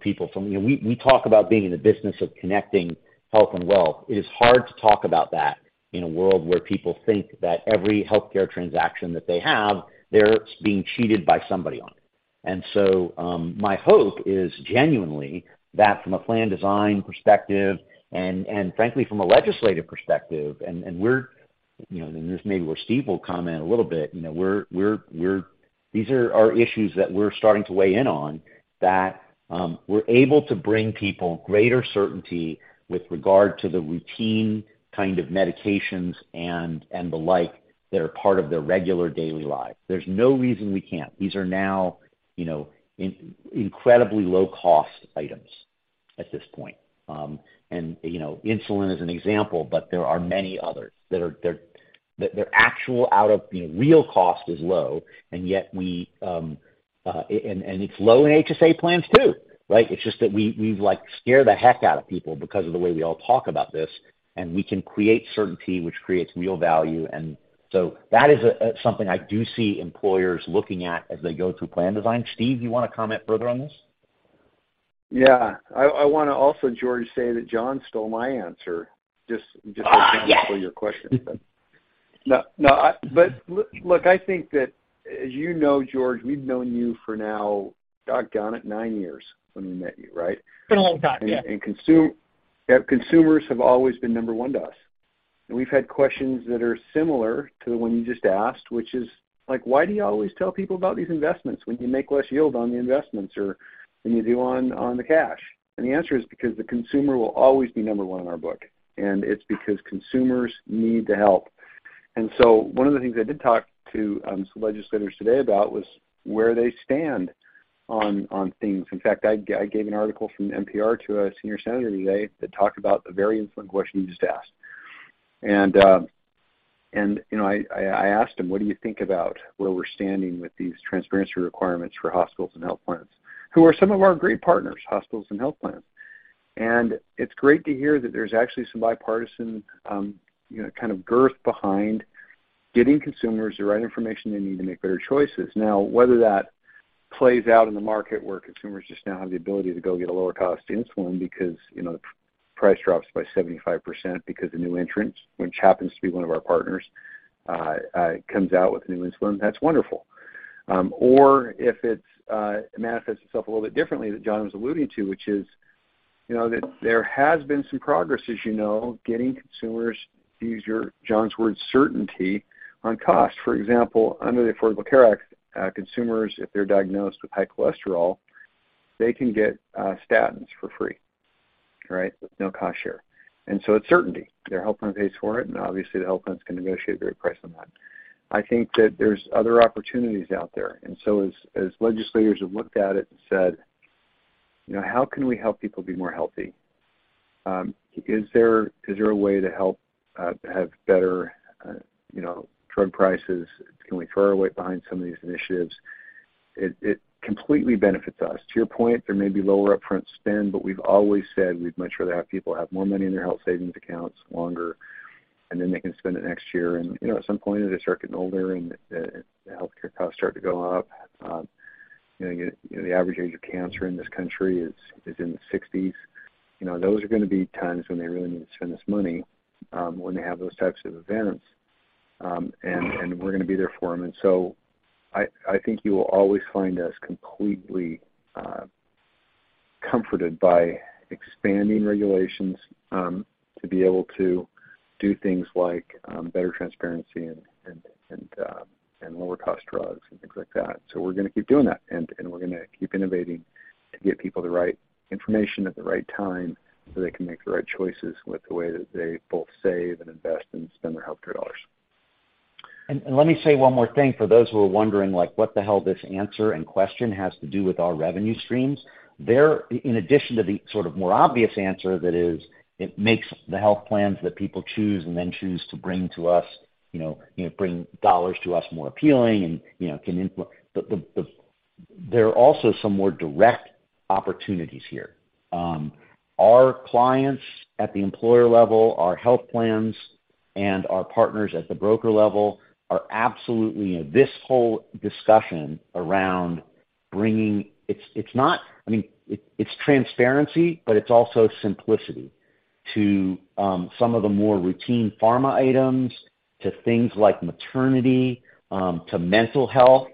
people. You know, we talk about being in the business of connecting health and wealth. It is hard to talk about that in a world where people think that every healthcare transaction that they have, they're being cheated by somebody on it. My hope is genuinely that from a plan design perspective and frankly, from a legislative perspective, and we're. You know, and this maybe where Steve will comment a little bit. You know, we're these are our issues that we're starting to weigh in on that we're able to bring people greater certainty with regard to the routine kind of medications and the like that are part of their regular daily lives. There's no reason we can't. These are now, you know, incredibly low cost items at this point. And, you know, insulin is an example, but there are many others that are their actual out of, you know, real cost is low and yet we, and it's low in HSA plans too, right? It's just that we've like scare the heck out of people because of the way we all talk about this. We can create certainty which creates real value. That is something I do see employers looking at as they go through plan design. Steve, you wanna comment further on this? Yeah. I wanna also, George, say that Jon stole my answer just to answer your question. Yes. No. Look, I think that as you know, George, we've known you for now, doggone it, nine years when we met you, right? It's been a long time, yes. Yep, consumers have always been number one to us. We've had questions that are similar to the one you just asked, which is, like, why do you always tell people about these investments when you make less yield on the investments or than you do on the cash? The answer is because the consumer will always be number one in our book, and it's because consumers need the help. One of the things I did talk to some legislators today about was where they stand on things. In fact, I gave an article from NPR to a senior senator today that talked about the very insulin question you just asked. You know, I asked him, "What do you think about where we're standing with these transparency requirements for hospitals and health plans?" Who are some of our great partners, hospitals and health plans. It's great to hear that there's actually some bipartisan, you know, kind of girth behind getting consumers the right information they need to make better choices. Whether that plays out in the market where consumers just now have the ability to go get a lower cost insulin because, you know, the price drops by 75% because the new entrants, which happens to be one of our partners, comes out with new insulin, that's wonderful. or if it's manifests itself a little bit differently that Jon was alluding to, which is, you know, that there has been some progress, as you know, getting consumers to use your, Jon's word, certainty on cost. For example, under the Affordable Care Act, consumers, if they're diagnosed with high cholesterol, they can get statins for free, right? With no cost share. It's certainty. Their health plan pays for it, Obviously the health plan's gonna negotiate a great price on that. I think that there's other opportunities out there. As legislators have looked at it and said, you know, "How can we help people be more healthy? Is there, is there a way to help have better, you know, drug prices? Can we throw our weight behind some of these initiatives?" It completely benefits us. To your point, there may be lower upfront spend, but we've always said we'd much rather have people have more money in their health savings accounts longer. Then they can spend it next year. You know, at some point they start getting older and the healthcare costs start to go up. You know, the average age of cancer in this country is in the 60s. You know, those are gonna be times when they really need to spend this money when they have those types of events, and we're gonna be there for them. So I think you will always find us completely comforted by expanding regulations to be able to do things like better transparency and lower cost drugs and things like that. We're gonna keep doing that, and we're gonna keep innovating to get people the right information at the right time so they can make the right choices with the way that they both save and invest and spend their healthcare dollars. Let me say one more thing for those who are wondering, like, what the hell this answer and question has to do with our revenue streams. They're in addition to the sort of more obvious answer that is, it makes the health plans that people choose and then choose to bring to us, you know, you know, bring dollars to us more appealing and, you know, can the. There are also some more direct opportunities here. Our clients at the employer level, our health plans and our partners at the broker level are absolutely, you know, this whole discussion around bringing. I mean, it's transparency, but it's also simplicity to some of the more routine pharma items, to things like maternity, to mental health,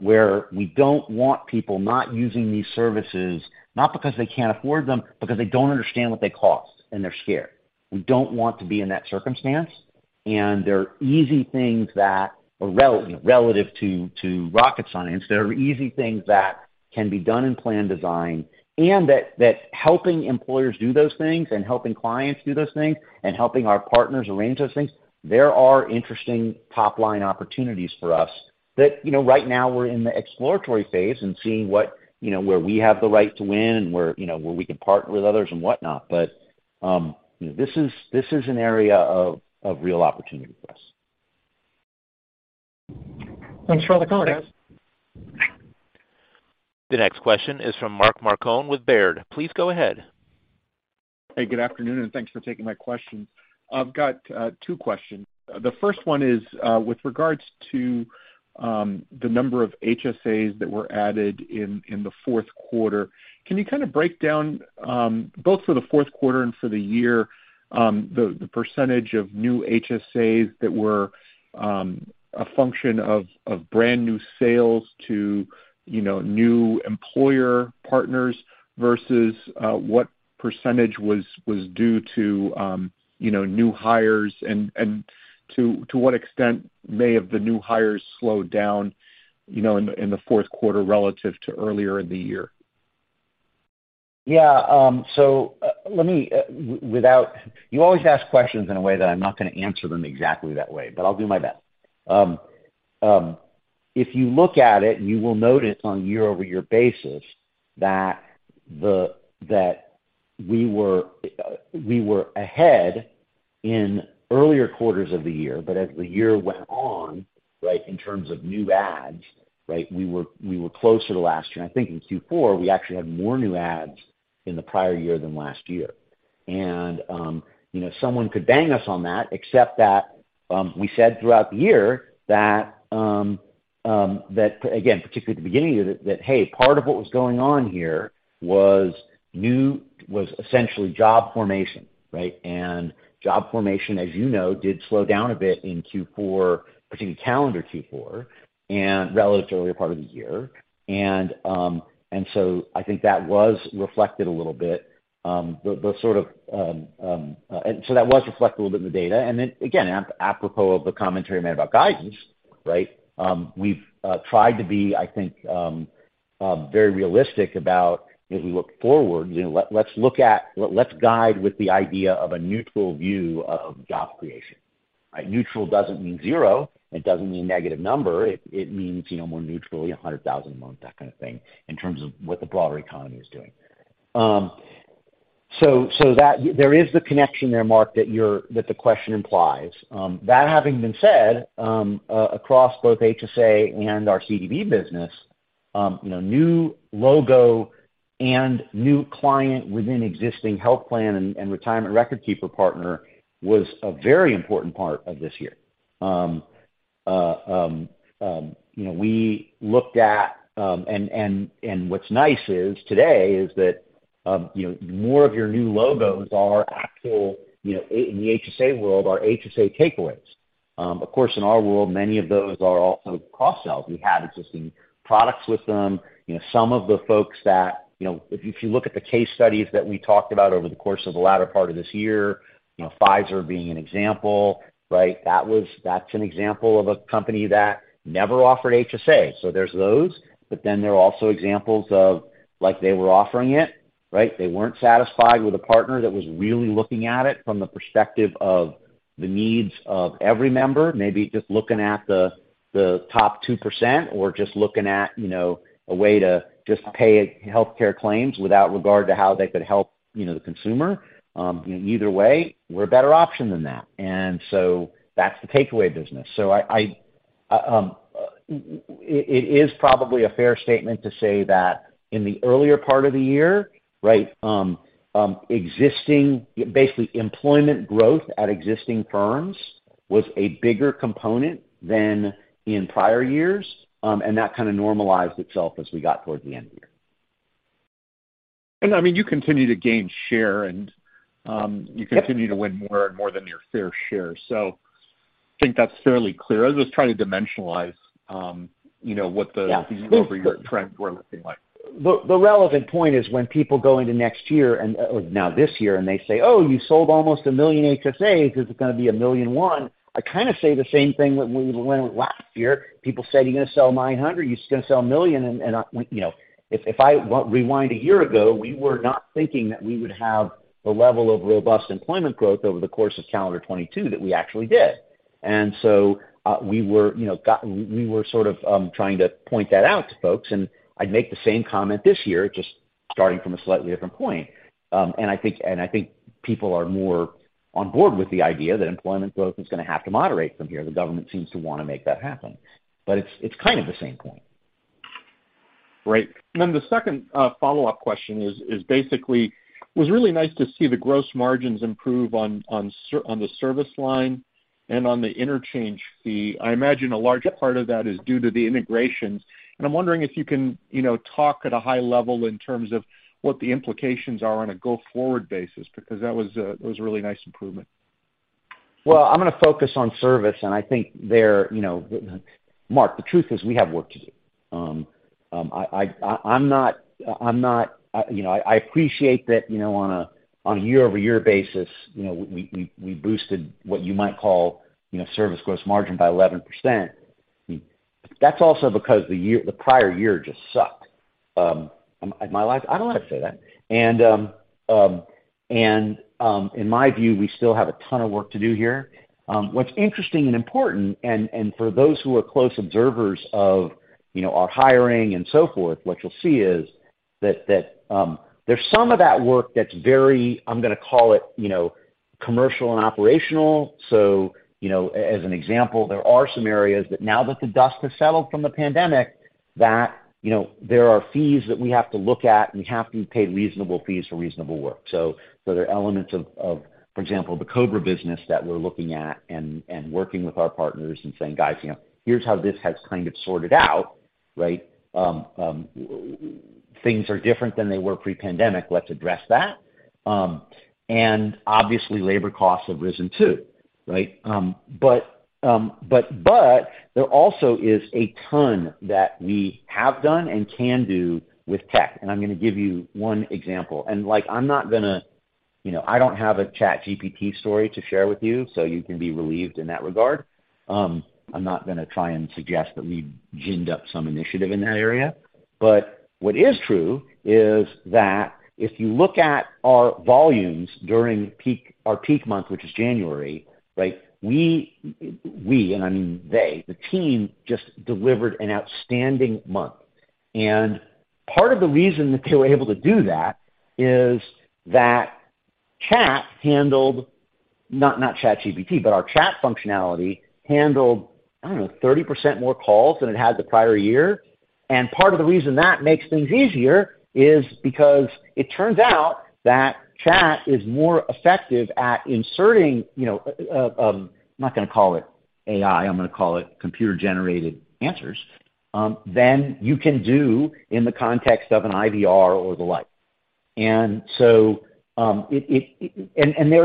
where we don't want people not using these services, not because they can't afford them, because they don't understand what they cost and they're scared. We don't want to be in that circumstance. There are easy things that are you know, relative to rocket science, there are easy things that can be done in plan design and that helping employers do those things and helping clients do those things and helping our partners arrange those things, there are interesting top-line opportunities for us that, you know, right now we're in the exploratory phase and seeing what, you know, where we have the right to win and where, you know, where we can partner with others and whatnot. You know, this is an area of real opportunity for us. Thanks for all the comments. The next question is from Mark Marcon with Baird. Please go ahead. Hey, good afternoon, and thanks for taking my question. I've got two questions. The first one is with regards to the number of HSAs that were added in the fourth quarter. Can you kind of break down both for the fourth quarter and for the year, the percentage of new HSAs that were a function of brand new sales to, you know, new employer partners versus what percentage was due to, you know, new hires and to what extent may have the new hires slowed down, you know, in the fourth quarter relative to earlier in the year? Yeah. Let me, without... You always ask questions in a way that I'm not gonna answer them exactly that way, but I'll do my best. If you look at it, you will notice on a year-over-year basis that we were ahead in earlier quarters of the year, but as the year went on, right, in terms of new adds, right, we were closer to last year. I think in Q4, we actually had more new adds in the prior year than last year. You know, someone could bang us on that, except that we said throughout the year that again, particularly at the beginning of the year, that hey, part of what was going on here was essentially job formation, right? Job formation, as you know, did slow down a bit in Q4, particularly calendar Q4 and relatively early part of the year. That was reflected a little bit in the data. Again, apropos of the commentary made about guidance, right? We've tried to be, I think, very realistic about as we look forward, you know, let's guide with the idea of a neutral view of job creation, right? Neutral doesn't mean zero, it doesn't mean negative number. It means, you know, more neutrally, 100,000 a month, that kind of thing, in terms of what the broader economy is doing. There is the connection there, Mark, that the question implies. That having been said, across both HSA and our CDB business, you know, new logo and new client within existing health plan and retirement record keeper partner was a very important part of this year. You know, we looked at, what's nice is today is that, you know, more of your new logos are actual, you know, in the HSA world, are HSA takeaways. Of course, in our world, many of those are also cross-sells. We have existing products with them. You know, some of the folks that, you know, if you look at the case studies that we talked about over the course of the latter part of this year, you know, Pfizer being an example, right? That's an example of a company that never offered HSA, so there's those. There are also examples of like, they were offering it, right? They weren't satisfied with a partner that was really looking at it from the perspective of the needs of every member, maybe just looking at the top 2% or just looking at, you know, a way to just pay healthcare claims without regard to how they could help, you know, the consumer. Either way, we're a better option than that. That's the takeaway business. I, it is probably a fair statement to say that in the earlier part of the year, right, basically, employment growth at existing firms was a bigger component than in prior years, and that kinda normalized itself as we got towards the end of the year. I mean, you continue to gain share and, you continue to win more and more than your fair share. I think that's fairly clear. I was just trying to dimensionalize, you know, what. Yeah. year-over-year trends were looking like. The relevant point is when people go into next year and, or now this year, and they say, "Oh, you sold almost 1 million HSAs, is it gonna be 1.1 million?" I kinda say the same thing that we went with last year. People said, "You're gonna sell 900, you're gonna sell 1 million." I you know, if I rewind a year ago, we were not thinking that we would have the level of robust employment growth over the course of calendar 2022 that we actually did. we were, you know, we were sort of trying to point that out to folks, and I'd make the same comment this year, just starting from a slightly different point. I think people are more on board with the idea that employment growth is gonna have to moderate from here. The government seems to wanna make that happen, but it's kind of the same point. Right. The second, follow-up question is basically, it was really nice to see the gross margins improve on the service line and on the interchange fee. I imagine a large part of that is due to the integrations, and I'm wondering if you can, you know, talk at a high level in terms of what the implications are on a go-forward basis, because that was a really nice improvement. Well, I'm gonna focus on service, and I think there, you know, Mark Marcon, the truth is we have work to do. I'm not, you know, I appreciate that, you know, on a year-over-year basis, you know, we boosted what you might call, you know, service gross margin by 11%. That's also because the year, the prior year just sucked. I don't know if I say that. In my view, we still have a ton of work to do here. What's interesting and important, and for those who are close observers of, you know, our hiring and so forth, what you'll see is that there's some of that work that's very, I'm gonna call it, you know, commercial and operational. You know, as an example, there are some areas that now that the dust has settled from the pandemic, that, you know, there are fees that we have to look at, and we have to pay reasonable fees for reasonable work. There are elements of, for example, the COBRA business that we're looking at and working with our partners and saying, "Guys, you know, here's how this has kind of sorted out, right?" Things are different than they were pre-pandemic. Let's address that. And obviously, labor costs have risen too, right? But there also is a ton that we have done and can do with tech, and I'm gonna give you one example. Like, You know, I don't have a ChatGPT story to share with you, so you can be relieved in that regard. I'm not gonna try and suggest that we ginned up some initiative in that area. What is true is that if you look at our volumes during our peak month, which is January, right? We, I mean they, the team just delivered an outstanding month. Part of the reason that they were able to do that is that Chat handled, not ChatGPT, but our Chat functionality handled, I don't know, 30% more calls than it had the prior year. Part of the reason that makes things easier is because it turns out that Chat is more effective at inserting, you know, I'm not gonna call it AI, I'm gonna call it computer-generated answers, than you can do in the context of an IVR or the like. There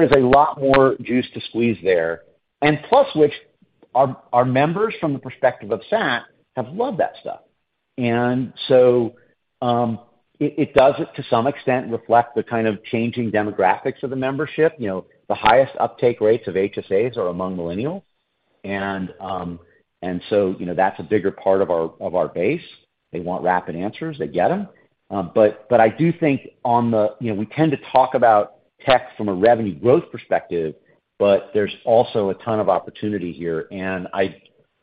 is a lot more juice to squeeze there. Plus which our members from the perspective of SAT have loved that stuff. It does, to some extent, reflect the kind of changing demographics of the membership. You know, the highest uptake rates of HSAs are among millennials. You know, that's a bigger part of our base. They want rapid answers, they get them. But I do think on the... You know, we tend to talk about tech from a revenue growth perspective, but there's also a ton of opportunity here.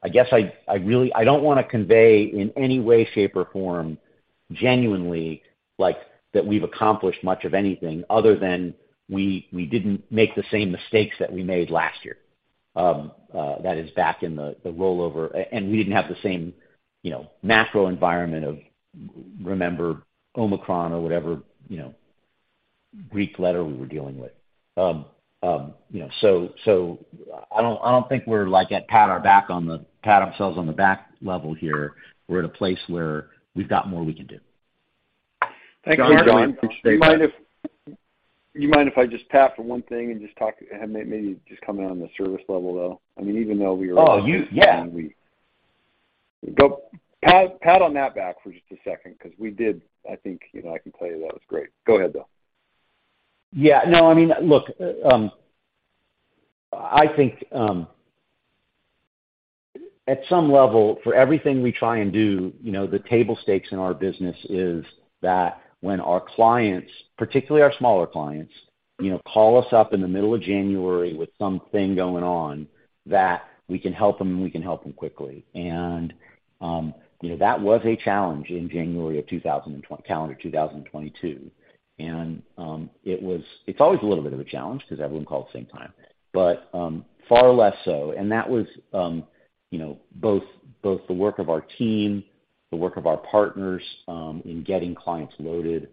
I guess I really... I don't wanna convey in any way, shape, or form genuinely, like, that we've accomplished much of anything other than we didn't make the same mistakes that we made last year, that is back in the rollover. We didn't have the same, you know, macro environment of remember Omicron or whatever, you know, Greek letter we were dealing with. you know, so I don't, I don't think we're like at pat ourselves on the back level here. We're at a place where we've got more we can do. Thank you, Jon. Jon, appreciate that. You mind if I just tap for one thing. Maybe just come in on the service level, though. I mean, Oh, you... Yeah. Pat on that back for just a second 'cause we did, I think, you know, I can tell you that was great. Go ahead, though. Yeah. No. I mean, look, I think, at some level for everything we try and do, you know, the table stakes in our business is that when our clients, particularly our smaller clients, you know, call us up in the middle of January with something going on, that we can help them, and we can help them quickly. You know, that was a challenge in January of calendar 2022. It's always a little bit of a challenge 'cause everyone calls the same time, but, far less so. That was, you know, both the work of our team, the work of our partners, in getting clients loaded,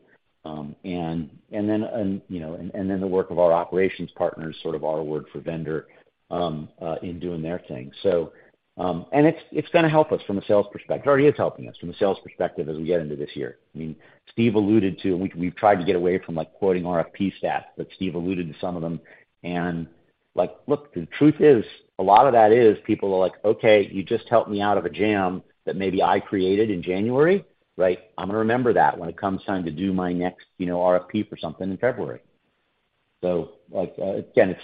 and then, you know, and then the work of our operations partners, sort of our word for vendor, in doing their thing. It's gonna help us from a sales perspective. It already is helping us from a sales perspective as we get into this year. I mean, Steve alluded to, and we've tried to get away from like quoting RFP stats, but Steve alluded to some of them. Like, look, the truth is a lot of that is people are like, "Okay, you just helped me out of a jam that maybe I created in January, right? I'm gonna remember that when it comes time to do my next, you know, RFP for something in February, like, again,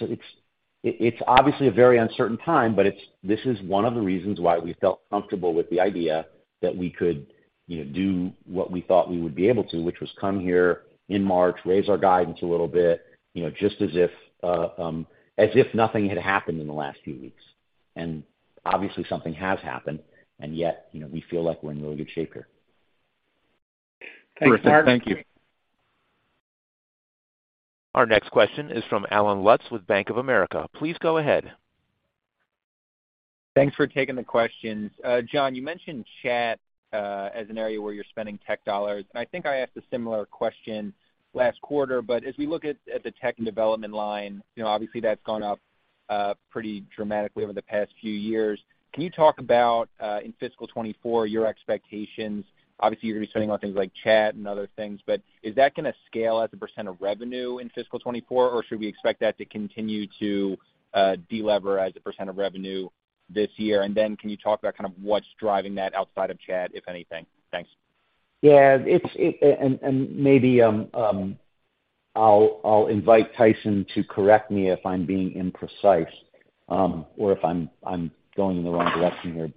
it's obviously a very uncertain time, but this is one of the reasons why we felt comfortable with the idea that we could, you know, do what we thought we would be able to, which was come here in March, raise our guidance a little bit, you know, just as if nothing had happened in the last few weeks. Obviously something has happened, and yet, you know, we feel like we're in really good shape here. Thanks, Jon. Perfect. Thank you. Our next question is from Allen Lutz with Bank of America. Please go ahead. Thanks for taking the questions. Jon, you mentioned Chat, as an area where you're spending tech dollars. I think I asked a similar question last quarter. As we look at the tech and development line, you know, obviously that's gone up, pretty dramatically over the past few years. Can you talk about, in fiscal 2024, your expectations? Obviously, you're gonna be spending on things like Chat and other things, but is that gonna scale as a percent of revenue in fiscal 2024, or should we expect that to continue to, de-lever as a percent of revenue this year? Then can you talk about kind of what's driving that outside of Chat, if anything? Thanks. Yeah. It's. Maybe I'll invite Tyson to correct me if I'm being imprecise, or if I'm going in the wrong direction here.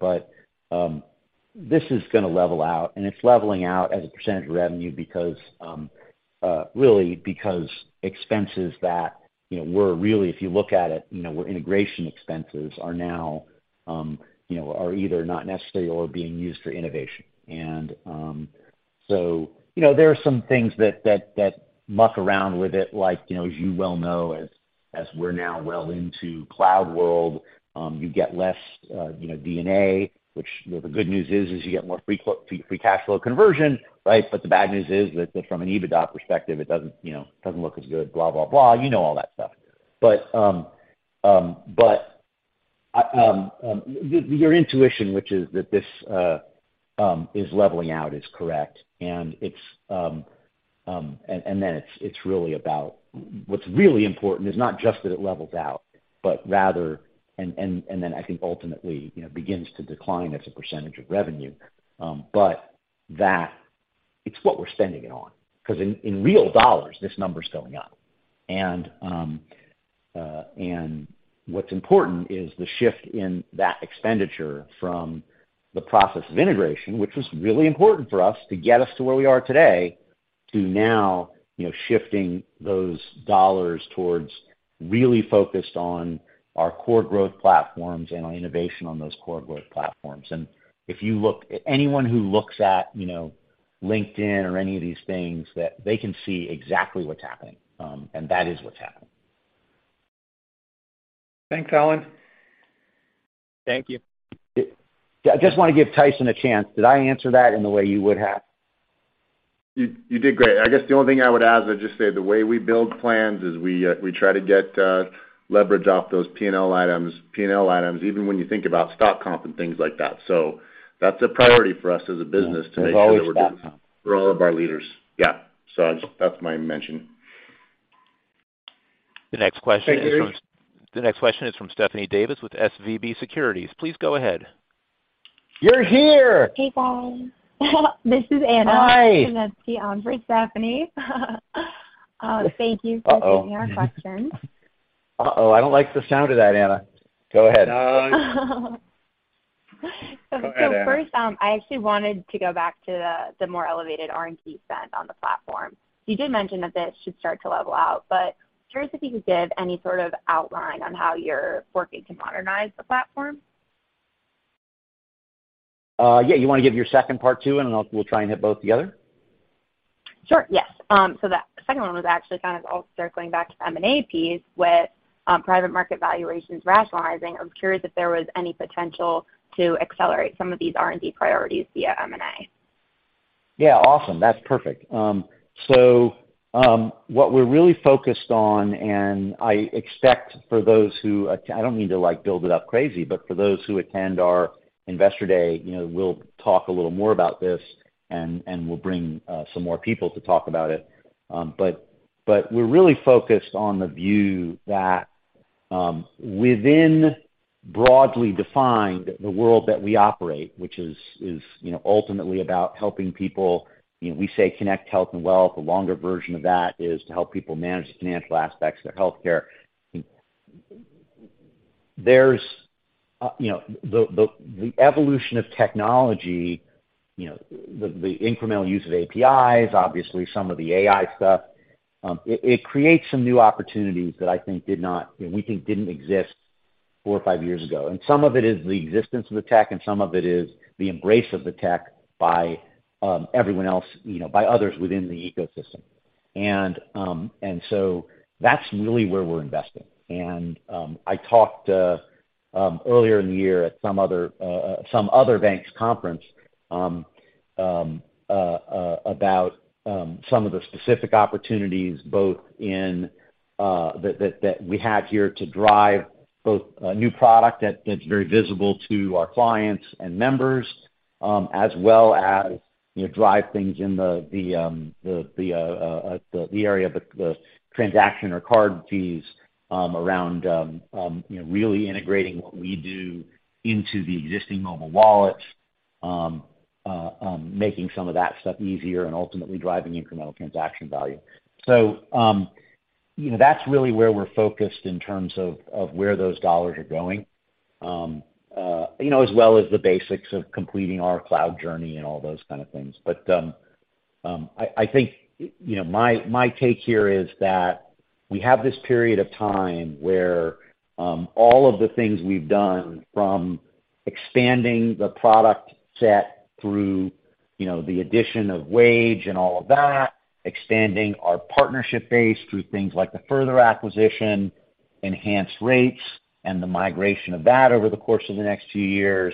This is gonna level out, and it's leveling out as a percentage of revenue because really because expenses that, you know, were really, if you look at it, you know, were integration expenses are now, you know, are either not necessary or being used for innovation. You know, there are some things that muck around with it, like, you know, as you well know as we're now well into cloud world, you get less, you know, D&A, which, you know, the good news is you get more free cash flow conversion, right? The bad news is that from an EBITDA perspective, it doesn't, you know, doesn't look as good, blah, blah. You know all that stuff. Your intuition, which is that this is leveling out, is correct. It's. It's really about. What's really important is not just that it levels out, but rather, I think ultimately, you know, begins to decline as a percentage of revenue. That it's what we're spending it on because in real dollars, this number is going up. What's important is the shift in that expenditure from the process of integration, which was really important for us to get us to where we are today, to now, you know, shifting those dollars towards really focused on our core growth platforms and on innovation on those core growth platforms. Anyone who looks at, you know, LinkedIn or any of these things that they can see exactly what's happening, and that is what's happening. Thanks, Allen. Thank you. I just want to give Tyson a chance. Did I answer that in the way you would have? You did great. I guess the only thing I would add is just say the way we build plans is we try to get leverage off those P&L items, even when you think about stock comp and things like that. That's a priority for us as a business today. There's always stock comp. For all of our leaders. Yeah. That's my mention. The next question is from- Thanks. The next question is from Stephanie Davis with SVB Securities. Please go ahead. You're here. Hey, guys. This is Anna. Hi. That's the on for Stephanie. Thank you for taking our question. Uh-oh. Uh-oh, I don't like the sound of that, Anna. Go ahead. Go ahead, Anna. First, I actually wanted to go back to the more elevated R&D spend on the platform. You did mention that this should start to level out, but curious if you could give any sort of outline on how you're working to modernize the platform. Yeah. You wanna give your second part too, and we'll try and hit both together? Sure, yes. The second one was actually kind of all circling back to the M&A piece with, private market valuations rationalizing. I was curious if there was any potential to accelerate some of these R&D priorities via M&A. Yeah, awesome. That's perfect. What we're really focused on, and I expect for those who I don't mean to, like, build it up crazy, but for those who attend our Investor Day, you know, we'll talk a little more about this and we'll bring some more people to talk about it. We're really focused on the view that, within broadly defined the world that we operate, which is, you know, ultimately about helping people, you know, we say connect health and wealth. The longer version of that is to help people manage the financial aspects of their healthcare. There's, you know, the evolution of technology, you know, the incremental use of APIs, obviously some of the AI stuff, it creates some new opportunities that I think did not... We think didn't exist four or five years ago. Some of it is the existence of the tech, and some of it is the embrace of the tech by, everyone else, you know, by others within the ecosystem. That's really where we're investing. I talked earlier in the year at some other bank's conference about some of the specific opportunities both in that we have here to drive both a new product that's very visible to our clients and members, as well as, you know, drive things in the area of the transaction or card fees, around, you know, really integrating what we do into the existing mobile wallets, making some of that stuff easier and ultimately driving incremental transaction value. You know, that's really where we're focused in terms of where those dollars are going, you know, as well as the basics of completing our cloud journey and all those kind of things. I think, you know, my take here is that we have this period of time where all of the things we've done from expanding the product set through, you know, the addition of Wage and all of that, extending our partnership base through things like the Further acquisition, Enhanced Rates and the migration of that over the course of the next few years,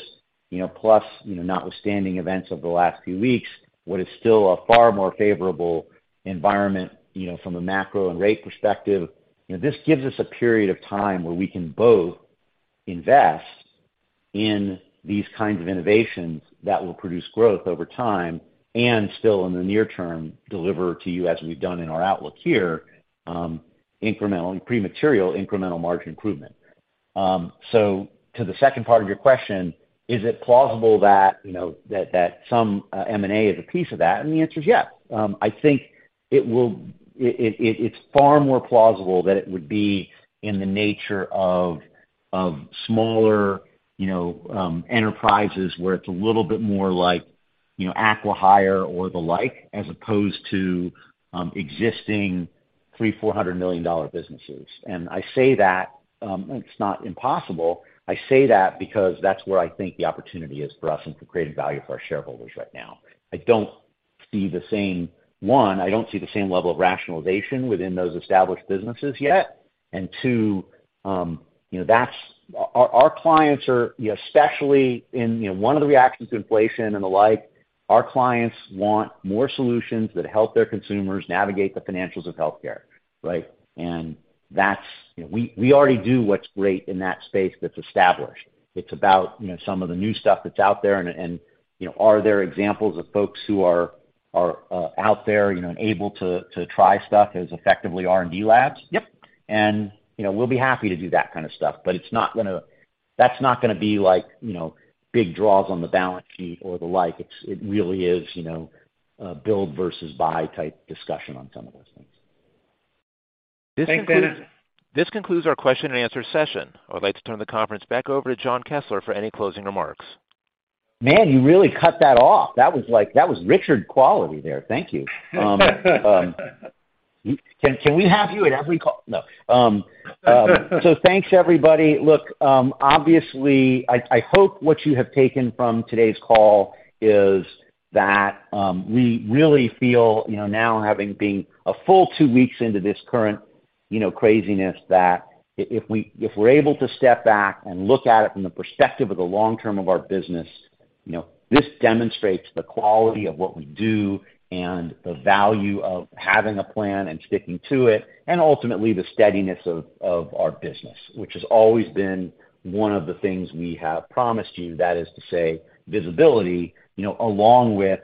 you know, plus, you know, notwithstanding events over the last few weeks, what is still a far more favorable environment, you know, from a macro and rate perspective. You know, this gives us a period of time where we can both invest in these kinds of innovations that will produce growth over time and still in the near term, deliver to you as we've done in our outlook here, incremental and prematerial incremental margin improvement. To the second part of your question, is it plausible that, you know, that some M&A is a piece of that? The answer is yeah. I think it's far more plausible that it would be in the nature of smaller, you know, enterprises where it's a little bit more like, you know, acqui-hire or the like, as opposed to existing $300 million-$400 million businesses. I say that, it's not impossible. I say that because that's where I think the opportunity is for us and for creating value for our shareholders right now. One, I don't see the same level of rationalization within those established businesses yet. Two, you know. Our clients are, especially in, you know, one of the reactions to inflation and the like, our clients want more solutions that help their consumers navigate the financials of healthcare, right? That's, you know, we already do what's great in that space that's established. It's about, you know, some of the new stuff that's out there and, you know, are there examples of folks who are out there, you know, and able to try stuff as effectively R&D labs? Yep. You know, we'll be happy to do that kind of stuff, but it's not gonna be like, you know, big draws on the balance sheet or the like. It really is, you know, build versus buy type discussion on some of those things. Thanks, Anna. This concludes our question and answer session. I'd like to turn the conference back over to Jon Kessler for any closing remarks. Man, you really cut that off. That was like, that was Richard quality there. Thank you. Can we have you at every call? No. Thanks everybody. Look, obviously, I hope what you have taken from today's call is that, we really feel, you know, now having been a full two weeks into this current, you know, craziness, that if we're able to step back and look at it from the perspective of the long-term of our business, you know, this demonstrates the quality of what we do and the value of having a plan and sticking to it, and ultimately, the steadiness of our business, which has always been one of the things we have promised you. That is to say, visibility, you know, along with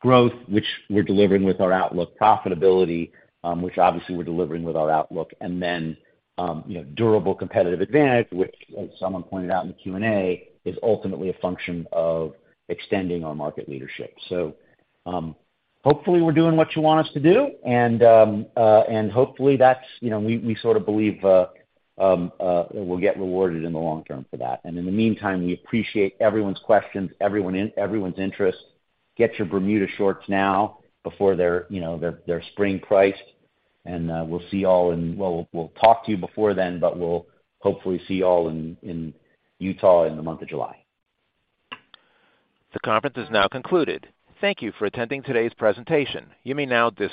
growth, which we're delivering with our outlook profitability, which obviously we're delivering with our outlook. Then, you know, durable competitive advantage, which as someone pointed out in the Q&A, is ultimately a function of extending our market leadership. Hopefully we're doing what you want us to do and hopefully that's, you know, we sort of believe we'll get rewarded in the long term for that. In the meantime, we appreciate everyone's questions, everyone's interest. Get your Bermuda shorts now before they're, you know, they're spring priced. We'll talk to you before then, but we'll hopefully see you all in Utah in the month of July. The conference is now concluded. Thank you for attending today's presentation. You may now disconnect.